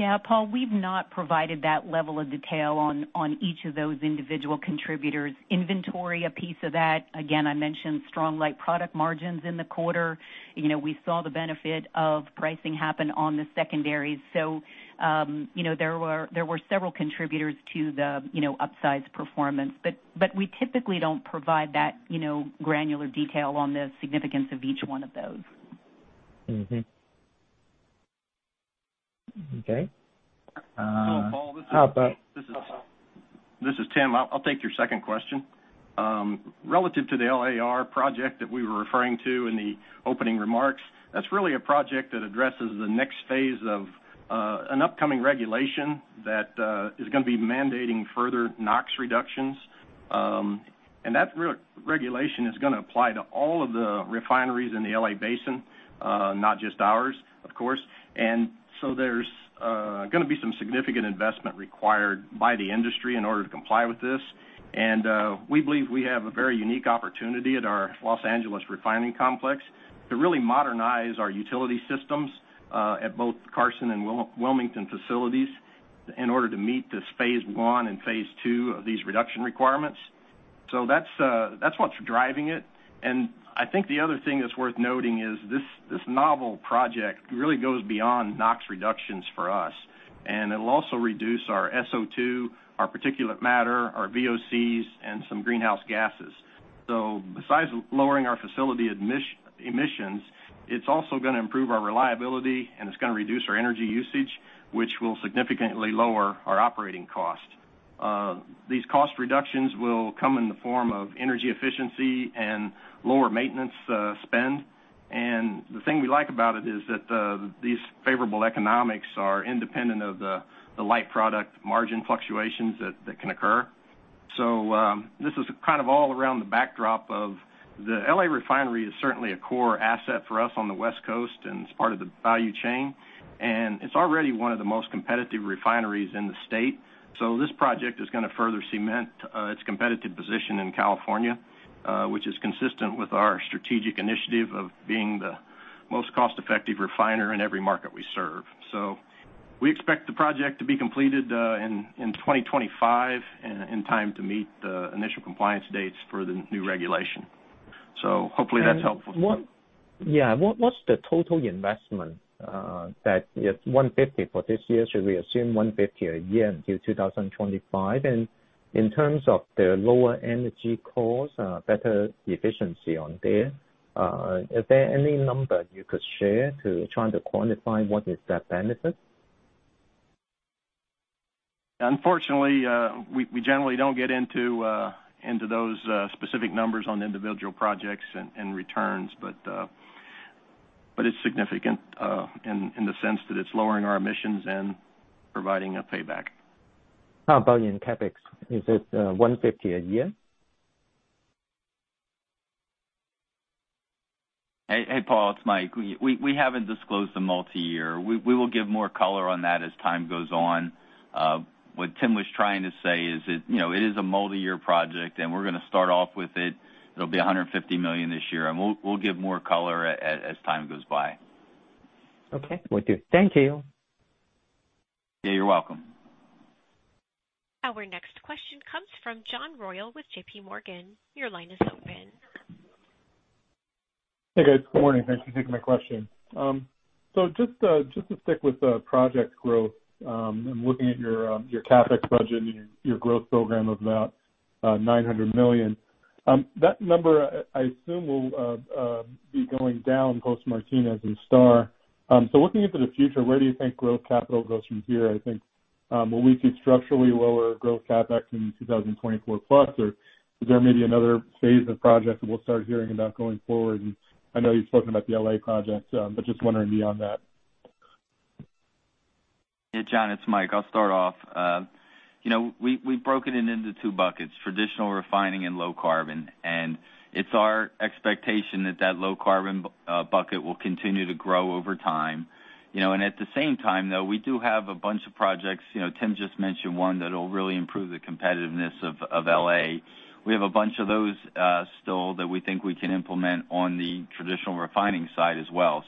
Yeah, Paul, we've not provided that level of detail on each of those individual contributors. Inventory, a piece of that. Again, I mentioned strong light product margins in the quarter. You know, we saw the benefit of pricing happen on the secondaries. You know, there were several contributors to the, you know, upsize performance. We typically don't provide that, you know, granular detail on the significance of each one of those. Mm-hmm. Okay. Hello, Paul. How about- This is Tim. I'll take your second question. Relative to the LAR project that we were referring to in the opening remarks, that's really a project that addresses the next phase of an upcoming regulation that is gonna be mandating further NOx reductions. That re-regulation is gonna apply to all of the refineries in the L.A. Basin, not just ours, of course. There's gonna be some significant investment required by the industry in order to comply with this. We believe we have a very unique opportunity at our Los Angeles refining complex to really modernize our utility systems at both Carson and Wilmington facilities in order to meet this phase one and phase two of these reduction requirements. That's what's driving it. I think the other thing that's worth noting is this novel project really goes beyond NOx reductions for us, and it'll also reduce our SO₂, our particulate matter, our VOCs, and some greenhouse gases. Besides lowering our facility emissions, it's also gonna improve our reliability, and it's gonna reduce our energy usage, which will significantly lower our operating cost. These cost reductions will come in the form of energy efficiency and lower maintenance spend. The thing we like about it is that these favorable economics are independent of the light product margin fluctuations that can occur. This is kind of all around the backdrop of the L.A. refinery is certainly a core asset for us on the West Coast, and it's part of the value chain. It's already one of the most competitive refineries in the state. This project is gonna further cement, its competitive position in California, which is consistent with our strategic initiative of being the most cost-effective refiner in every market we serve. We expect the project to be completed, in 2025 and in time to meet the initial compliance dates for the new regulation. Hopefully that's helpful. What's the total investment, that it's $150 for this year? Should we assume $150 a year until 2025? In terms of the lower energy costs, better efficiency on there, is there any number you could share to try to quantify what is that benefit? Unfortunately, we generally don't get into those specific numbers on individual projects and returns. It's significant in the sense that it's lowering our emissions and providing a payback. How about in CapEx? Is it $150 a year? Hey, Paul, it's Mike. We haven't disclosed the multi-year. We will give more color on that as time goes on. What Tim was trying to say is that, you know, it is a multi-year project, and we're gonna start off with it. It'll be $150 million this year, and we'll give more color as time goes by. Okay, will do. Thank you. Yeah, you're welcome. Our next question comes from John Royall with J.P. Morgan. Your line is open. Hey, guys. Good morning. Thanks for taking my question. Just to stick with the project growth, I'm looking at your CapEx budget and your growth program of about $900 million. That number I assume will be going down post Martinez and STAR. Looking into the future, where do you think growth capital goes from here? I think, will we see structurally lower growth CapEx in 2024+, or is there maybe another phase of projects that we'll start hearing about going forward? I know you've spoken about the L.A. projects, but just wondering beyond that. Yeah, John, it's Mike. I'll start off. You know, we've broken it into two buckets, traditional refining and low carbon. It's our expectation that that low carbon bucket will continue to grow over time. You know, at the same time, though, we do have a bunch of projects. You know, Tim just mentioned one that'll really improve the competitiveness of L.A. We have a bunch of those still that we think we can implement on the traditional refining side as well.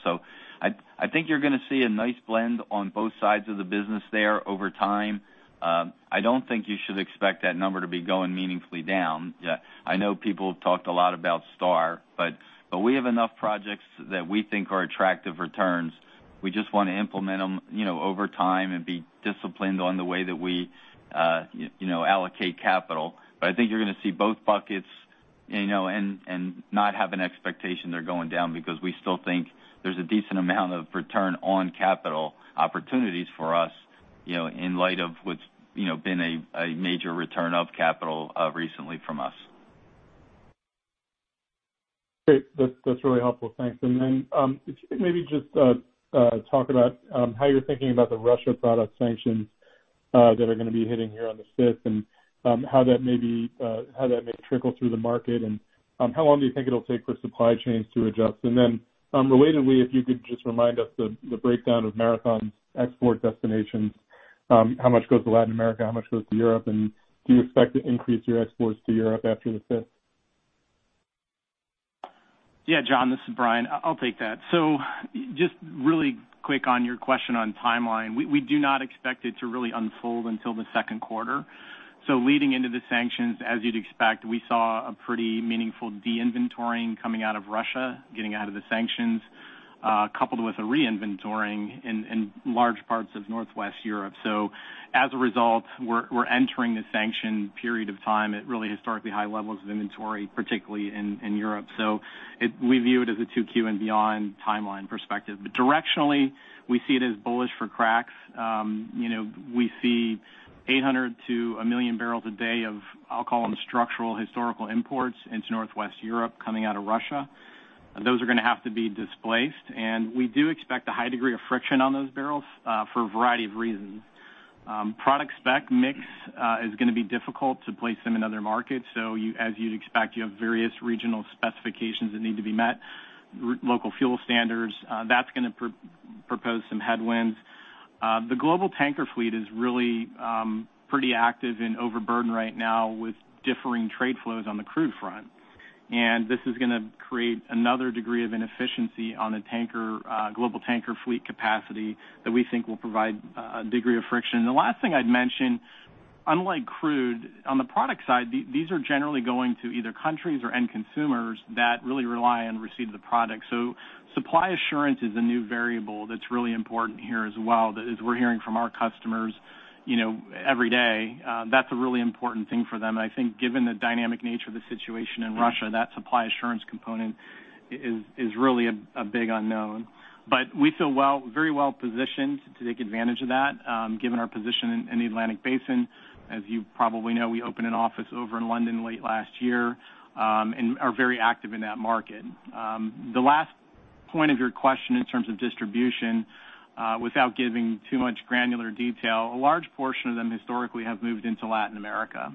I think you're gonna see a nice blend on both sides of the business there over time. I don't think you should expect that number to be going meaningfully down. I know people have talked a lot about STAR, but we have enough projects that we think are attractive returns. We just wanna implement them, you know, over time and be disciplined on the way that we, you know, allocate capital. I think you're gonna see both buckets, you know, and not have an expectation they're going down because we still think there's a decent amount of return on capital opportunities for us, you know, in light of what's, you know, been a major return of capital recently from us. Great. That's really helpful. Thanks. Then, if you maybe just talk about how you're thinking about the Russia product sanctions that are gonna be hitting here on the fifth and how that may trickle through the market and how long do you think it'll take for supply chains to adjust? Then, relatedly, if you could just remind us the breakdown of Marathon's export destinations, how much goes to Latin America, how much goes to Europe, and do you expect to increase your exports to Europe after the fifth? Yeah. John, this is Brian. I'll take that. Just really quick on your question on timeline. We do not expect it to really unfold until the second quarter. Leading into the sanctions, as you'd expect, we saw a pretty meaningful de-inventoring coming out of Russia, getting out of the sanctions, coupled with a re-inventoring in large parts of Northwest Europe. As a result, we're entering the sanction period of time at really historically high levels of inventory, particularly in Europe. We view it as a two Q and beyond timeline perspective. Directionally, we see it as bullish for cracks. You know, we see 800-1 million barrels a day of, I'll call them structural historical imports into Northwest Europe coming out of Russia. Those are gonna have to be displaced. We do expect a high degree of friction on those barrels for a variety of reasons. Product spec mix is gonna be difficult to place them in other markets. As you'd expect, you have various regional specifications that need to be met, local fuel standards. That's gonna propose some headwinds. The global tanker fleet is really pretty active and overburdened right now with differing trade flows on the crude front. This is gonna create another degree of inefficiency on the tanker global tanker fleet capacity that we think will provide a degree of friction. The last thing I'd mention, unlike crude, on the product side, these are generally going to either countries or end consumers that really rely on receipt of the product. Supply assurance is a new variable that's really important here as well, that as we're hearing from our customers, you know, every day, that's a really important thing for them. I think given the dynamic nature of the situation in Russia, that supply assurance component is really a big unknown. We feel very well positioned to take advantage of that, given our position in the Atlantic Basin. As you probably know, we opened an office over in London late last year, and are very active in that market. The last point of your question in terms of distribution, without giving too much granular detail, a large portion of them historically have moved into Latin America.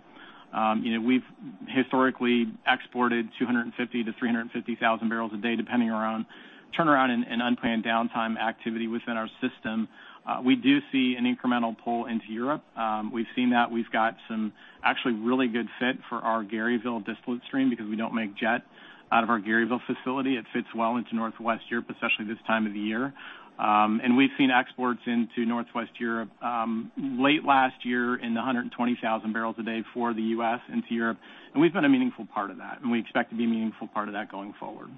you know, we've historically exported 250,000-350,000 barrels a day, depending around turnaround and unplanned downtime activity within our system. We do see an incremental pull into Europe. We've seen that. We've got some actually really good fit for our Garyville distillate stream because we don't make jet out of our Garyville facility. It fits well into Northwest Europe, especially this time of the year. We've seen exports into Northwest Europe late last year in the 120,000 barrels a day for the U.S. into Europe. We've been a meaningful part of that, and we expect to be a meaningful part of that going forward.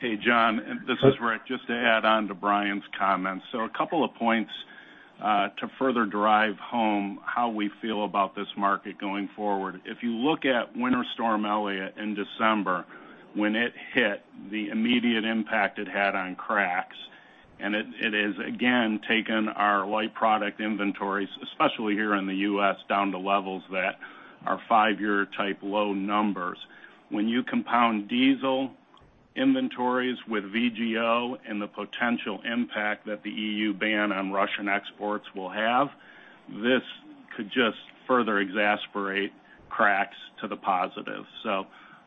Hey, John, this is Rick. Just to add on to Brian's comments. A couple of points to further drive home how we feel about this market going forward. If you look at Winter Storm Elliott in December, when it hit, the immediate impact it had on cracks, it has, again, taken our light product inventories, especially here in the U.S., down to levels that are five year type low numbers. When you compound diesel inventories with VGO and the potential impact that the EU ban on Russian exports will have, this could just further exasperate cracks to the positive.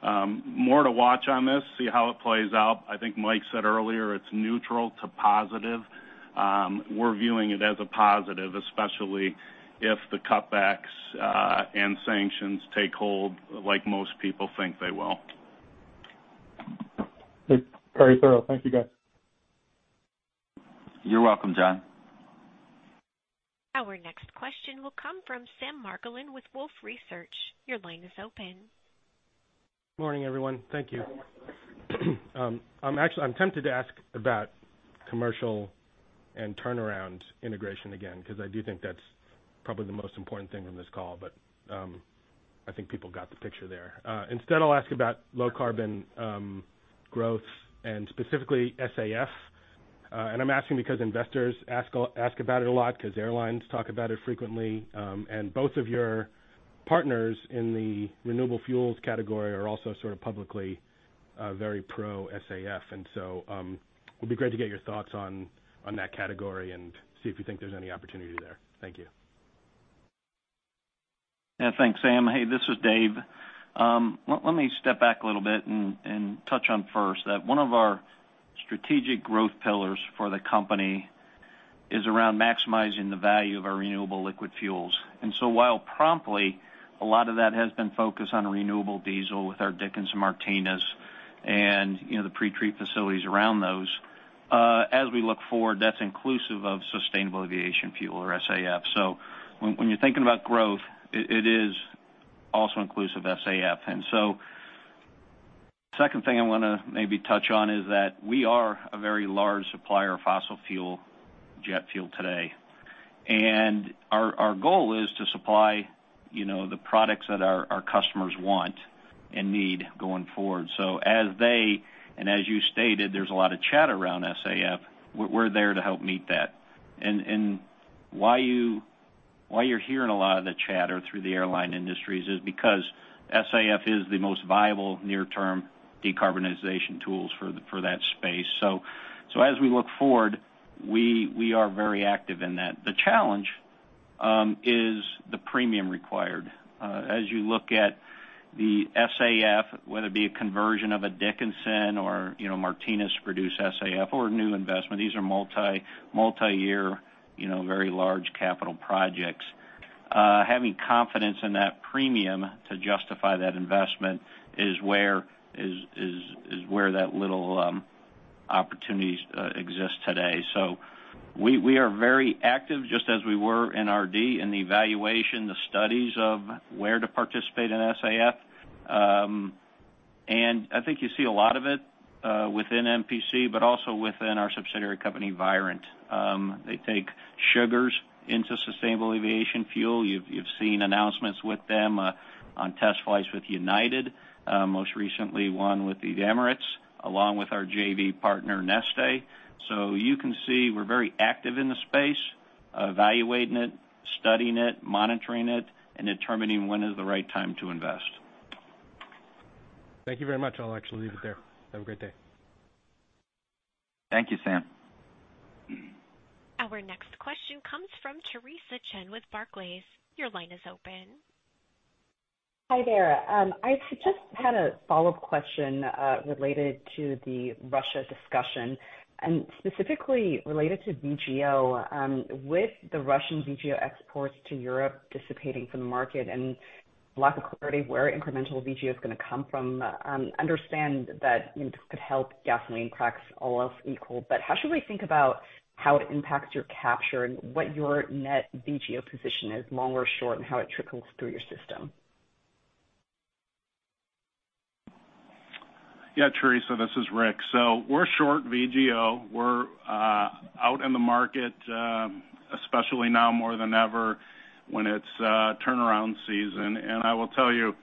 More to watch on this, see how it plays out. I think Mike said earlier, it's neutral to positive. We're viewing it as a positive, especially if the cutbacks and sanctions take hold like most people think they will. Very thorough. Thank you, guys. You're welcome, John. Our next question will come from Sam Margolin with Wolfe Research. Your line is open. Morning, everyone. Thank you. I'm actually tempted to ask about commercial and turnaround integration again, 'cause I do think that's probably the most important thing on this call, but I think people got the picture there. Instead, I'll ask about low-carbon growth and specifically SAF. I'm asking because investors ask about it a lot, 'cause airlines talk about it frequently. Both of your partners in the renewable fuels category are also sort of publicly very pro-SAF. It'll be great to get your thoughts on that category and see if you think there's any opportunity there. Thank you. Yeah, thanks, Sam. Hey, this is Dave. Let me step back a little bit and touch on first that one of our strategic growth pillars for the company is around maximizing the value of our renewable liquid fuels. While promptly, a lot of that has been focused on renewable diesel with our Dickinson and Martinez and, you know, the pre-treat facilities around those, as we look forward, that's inclusive of sustainable aviation fuel or SAF. Second thing I wanna maybe touch on is that we are a very large supplier of fossil fuel, jet fuel today. Our goal is to supply, you know, the products that our customers want and need going forward. As they, and as you stated, there's a lot of chat around SAF, we're there to help meet that. Why you're hearing a lot of the chatter through the airline industries is because SAF is the most viable near-term decarbonization tools for that space. As we look forward, we are very active in that. The challenge is the premium required. As you look at the SAF, whether it be a conversion of a Dickinson or, you know, Martinez-produced SAF or a new investment, these are multi-year, you know, very large capital projects. Having confidence in that premium to justify that investment is where that little opportunities exist today. We are very active, just as we were in RD, in the evaluation, the studies of where to participate in SAF. I think you see a lot of it within MPC, but also within our subsidiary company, Virent. They take sugars into sustainable aviation fuel. You've seen announcements with them on test flights with United, most recently one with the Emirates. Along with our JV partner, Neste. You can see we're very active in the space, evaluating it, studying it, monitoring it, and determining when is the right time to invest. Thank you very much. I'll actually leave it there. Have a great day. Thank you, Sam. Our next question comes from Theresa Chen with Barclays. Your line is open. Hi there. I just had a follow-up question related to the Russia discussion, and specifically related to VGO. With the Russian VGO exports to Europe dissipating from the market and lack of clarity where incremental VGO is gonna come from, understand that could help gasoline cracks all else equal. How should we think about how it impacts your capture and what your net VGO position is, long or short, and how it trickles through your system? Yeah, Theresa, this is Rick. We're short VGO. We're out in the market, especially now more than ever when it's turnaround season. I will tell you,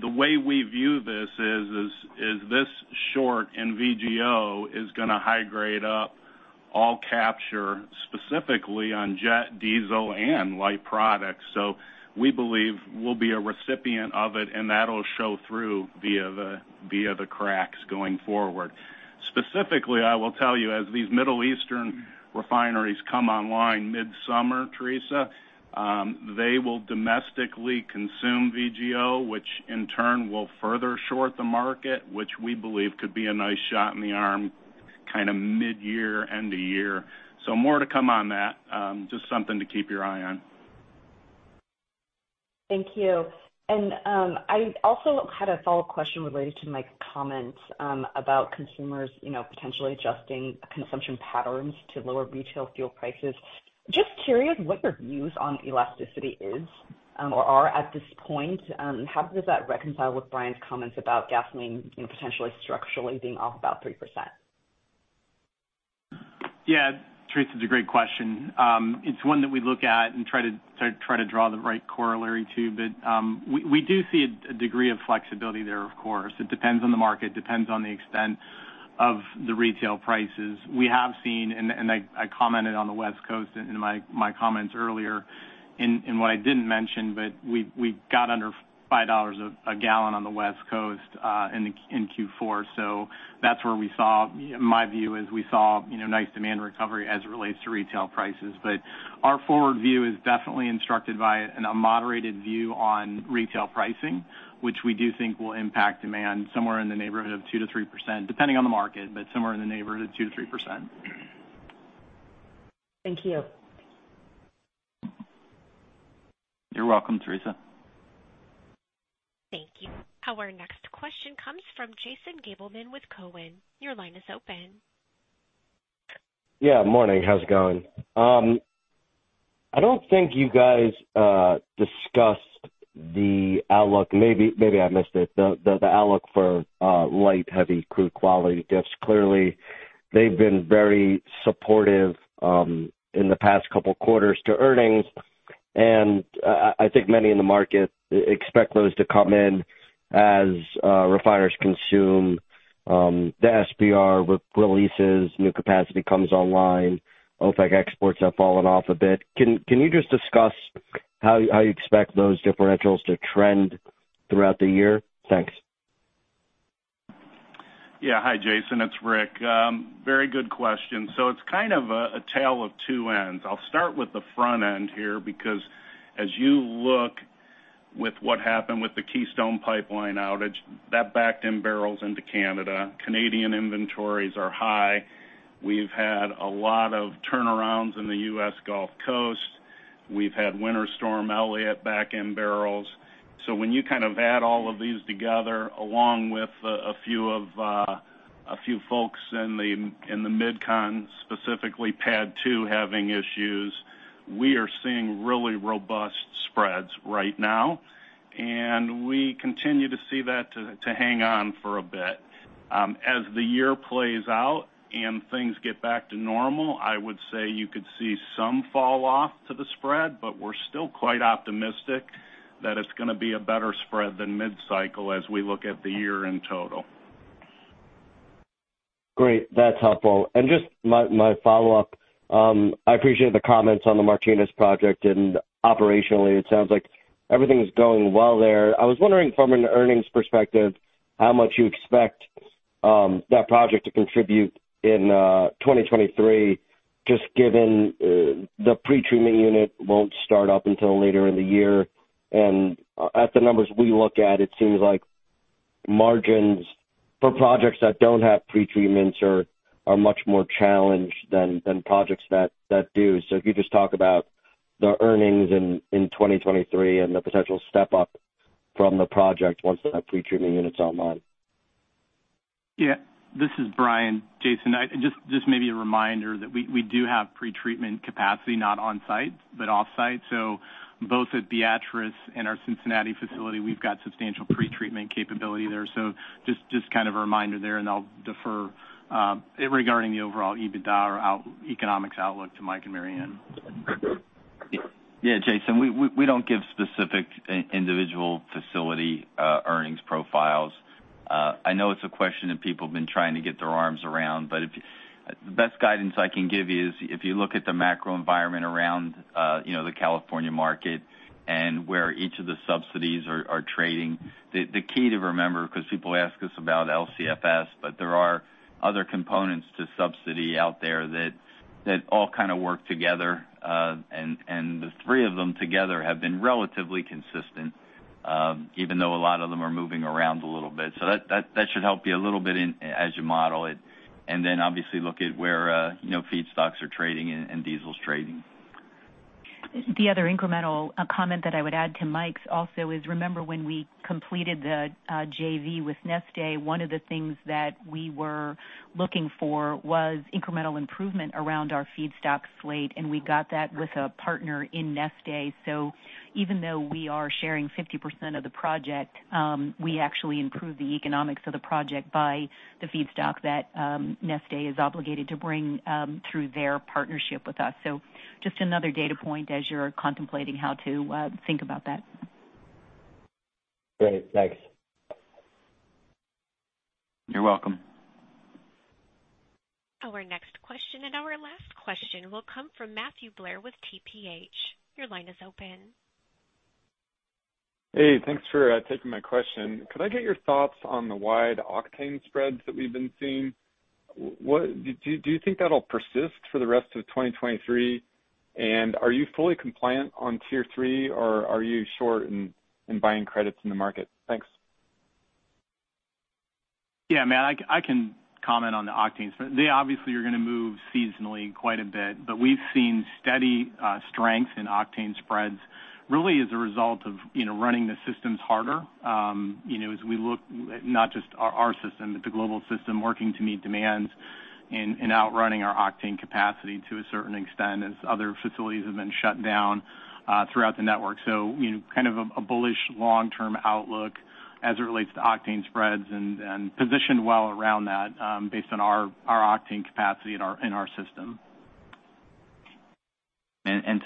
the way we view this is, this short in VGO is gonna high grade up all capture, specifically on jet diesel and light products. We believe we'll be a recipient of it, and that'll show through via the cracks going forward. Specifically, I will tell you, as these Middle Eastern refineries come online mid-summer, Theresa, they will domestically consume VGO, which in turn will further short the market, which we believe could be a nice shot in the arm kind of mid-year, end of year. More to come on that. Just something to keep your eye on. Thank you. I also had a follow-up question related to Mike comments about consumers, you know, potentially adjusting consumption patterns to lower retail fuel prices. Just curious what your views on elasticity is or are at this point, how does that reconcile with Brian's comments about gasoline, you know, potentially structurally being off about 3%? Yeah, Theresa, it's a great question. It's one that we look at and try to draw the right corollary to. We do see a degree of flexibility there, of course. It depends on the market, depends on the extent of the retail prices. We have seen, and I commented on the West Coast in my comments earlier, and what I didn't mention, but we got under $5 a gallon on the West Coast in Q4. In my view, is we saw, you know, nice demand recovery as it relates to retail prices. Our forward view is definitely instructed by a moderated view on retail pricing, which we do think will impact demand somewhere in the neighborhood of 2%-3%, depending on the market, but somewhere in the neighborhood of 2%-3%. Thank you. You're welcome, Theresa. Thank you. Our next question comes from Jason Gabelman with Cowen. Your line is open. Morning. How's it going? I don't think you guys discussed the outlook. Maybe I missed it, the outlook for light, heavy crude quality diffs. Clearly, they've been very supportive in the past couple quarters to earnings. I think many in the market expect those to come in as refiners consume the SPR releases, new capacity comes online. OPEC exports have fallen off a bit. Can you just discuss how you expect those differentials to trend throughout the year? Thanks. Yeah. Hi, Jason. It's Rick. Very good question. It's kind of a tale of two ends. I'll start with the front end here, because as you look with what happened with the Keystone Pipeline outage, that backed in barrels into Canada. Canadian inventories are high. We've had a lot of turnarounds in the U.S. Gulf Coast. We've had Winter Storm Elliott back in barrels. When you kind of add all of these together, along with a few of a few folks in the, in the MidCon, specifically PADD 2 having issues, we are seeing really robust spreads right now, and we continue to see that to hang on for a bit. As the year plays out and things get back to normal, I would say you could see some fall off to the spread. We're still quite optimistic that it's gonna be a better spread than mid-cycle as we look at the year in total. Great. That's helpful. Just my follow-up, I appreciate the comments on the Martinez project, and operationally it sounds like everything is going well there. I was wondering from an earnings perspective, how much you expect that project to contribute in 2023, just given the pretreatment unit won't start up until later in the year. At the numbers we look at, it seems like margins for projects that don't have pretreatments are much more challenged than projects that do. If you just talk about the earnings in 2023 and the potential step up from the project once that pretreatment unit's online. Yeah, this is Brian. Jason, just maybe a reminder that we do have pretreatment capacity not on site, but off site. Both at Beatrice and our Cincinnati facility, we've got substantial pretreatment capability there. Just kind of a reminder there, and I'll defer regarding the overall EBITDA or economics outlook to Mike and Mary Ann. Yeah, Jason, we don't give specific individual facility earnings profiles. I know it's a question that people have been trying to get their arms around. The best guidance I can give you is if you look at the macro environment around, you know, the California market and where each of the subsidies are trading, the key to remember, 'cause people ask us about LCFS, but there are other components to subsidy out there that all kind of work together. And the three of them together have been relatively consistent, even though a lot of them are moving around a little bit. So that should help you a little bit in, as you model it. And then, obviously, look at where, you know, feedstocks are trading and diesel's trading. The other incremental comment that I would add to Mike's also is, remember when we completed the JV with Neste, one of the things that we were looking for was incremental improvement around our feedstock slate, and we got that with a partner in Neste. Even though we are sharing 50% of the project, we actually improved the economics of the project by the feedstock that Neste is obligated to bring through their partnership with us. Just another data point as you're contemplating how to think about that. Great. Thanks. You're welcome. Our next question and our last question will come from Matthew Blair with TPH & Co. Your line is open. Hey, thanks for taking my question. Could I get your thoughts on the wide octane spreads that we've been seeing? Do you think that'll persist for the rest of 2023? Are you fully compliant on Tier 3, or are you short and buying credits in the market? Thanks. Yeah, Matt, I can comment on the octane spread. They obviously are gonna move seasonally quite a bit, but we've seen steady strength in octane spreads really as a result of, you know, running the systems harder. You know, as we look, not just our system, but the global system working to meet demands and outrunning our octane capacity to a certain extent as other facilities have been shut down throughout the network. You know, kind of a bullish long-term outlook as it relates to octane spreads and positioned well around that, based on our octane capacity in our system.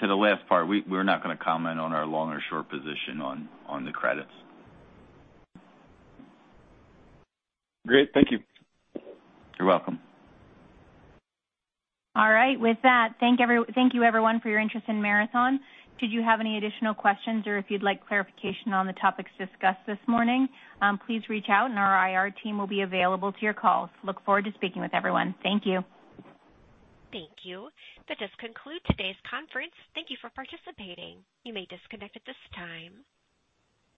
To the last part, we're not gonna comment on our long or short position on the credits. Great. Thank you. You're welcome. All right. With that, thank you everyone for your interest in Marathon. Should you have any additional questions or if you'd like clarification on the topics discussed this morning, please reach out and our IR team will be available to your calls. Look forward to speaking with everyone. Thank you. Thank you. That does conclude today's conference. Thank you for participating. You may disconnect at this time.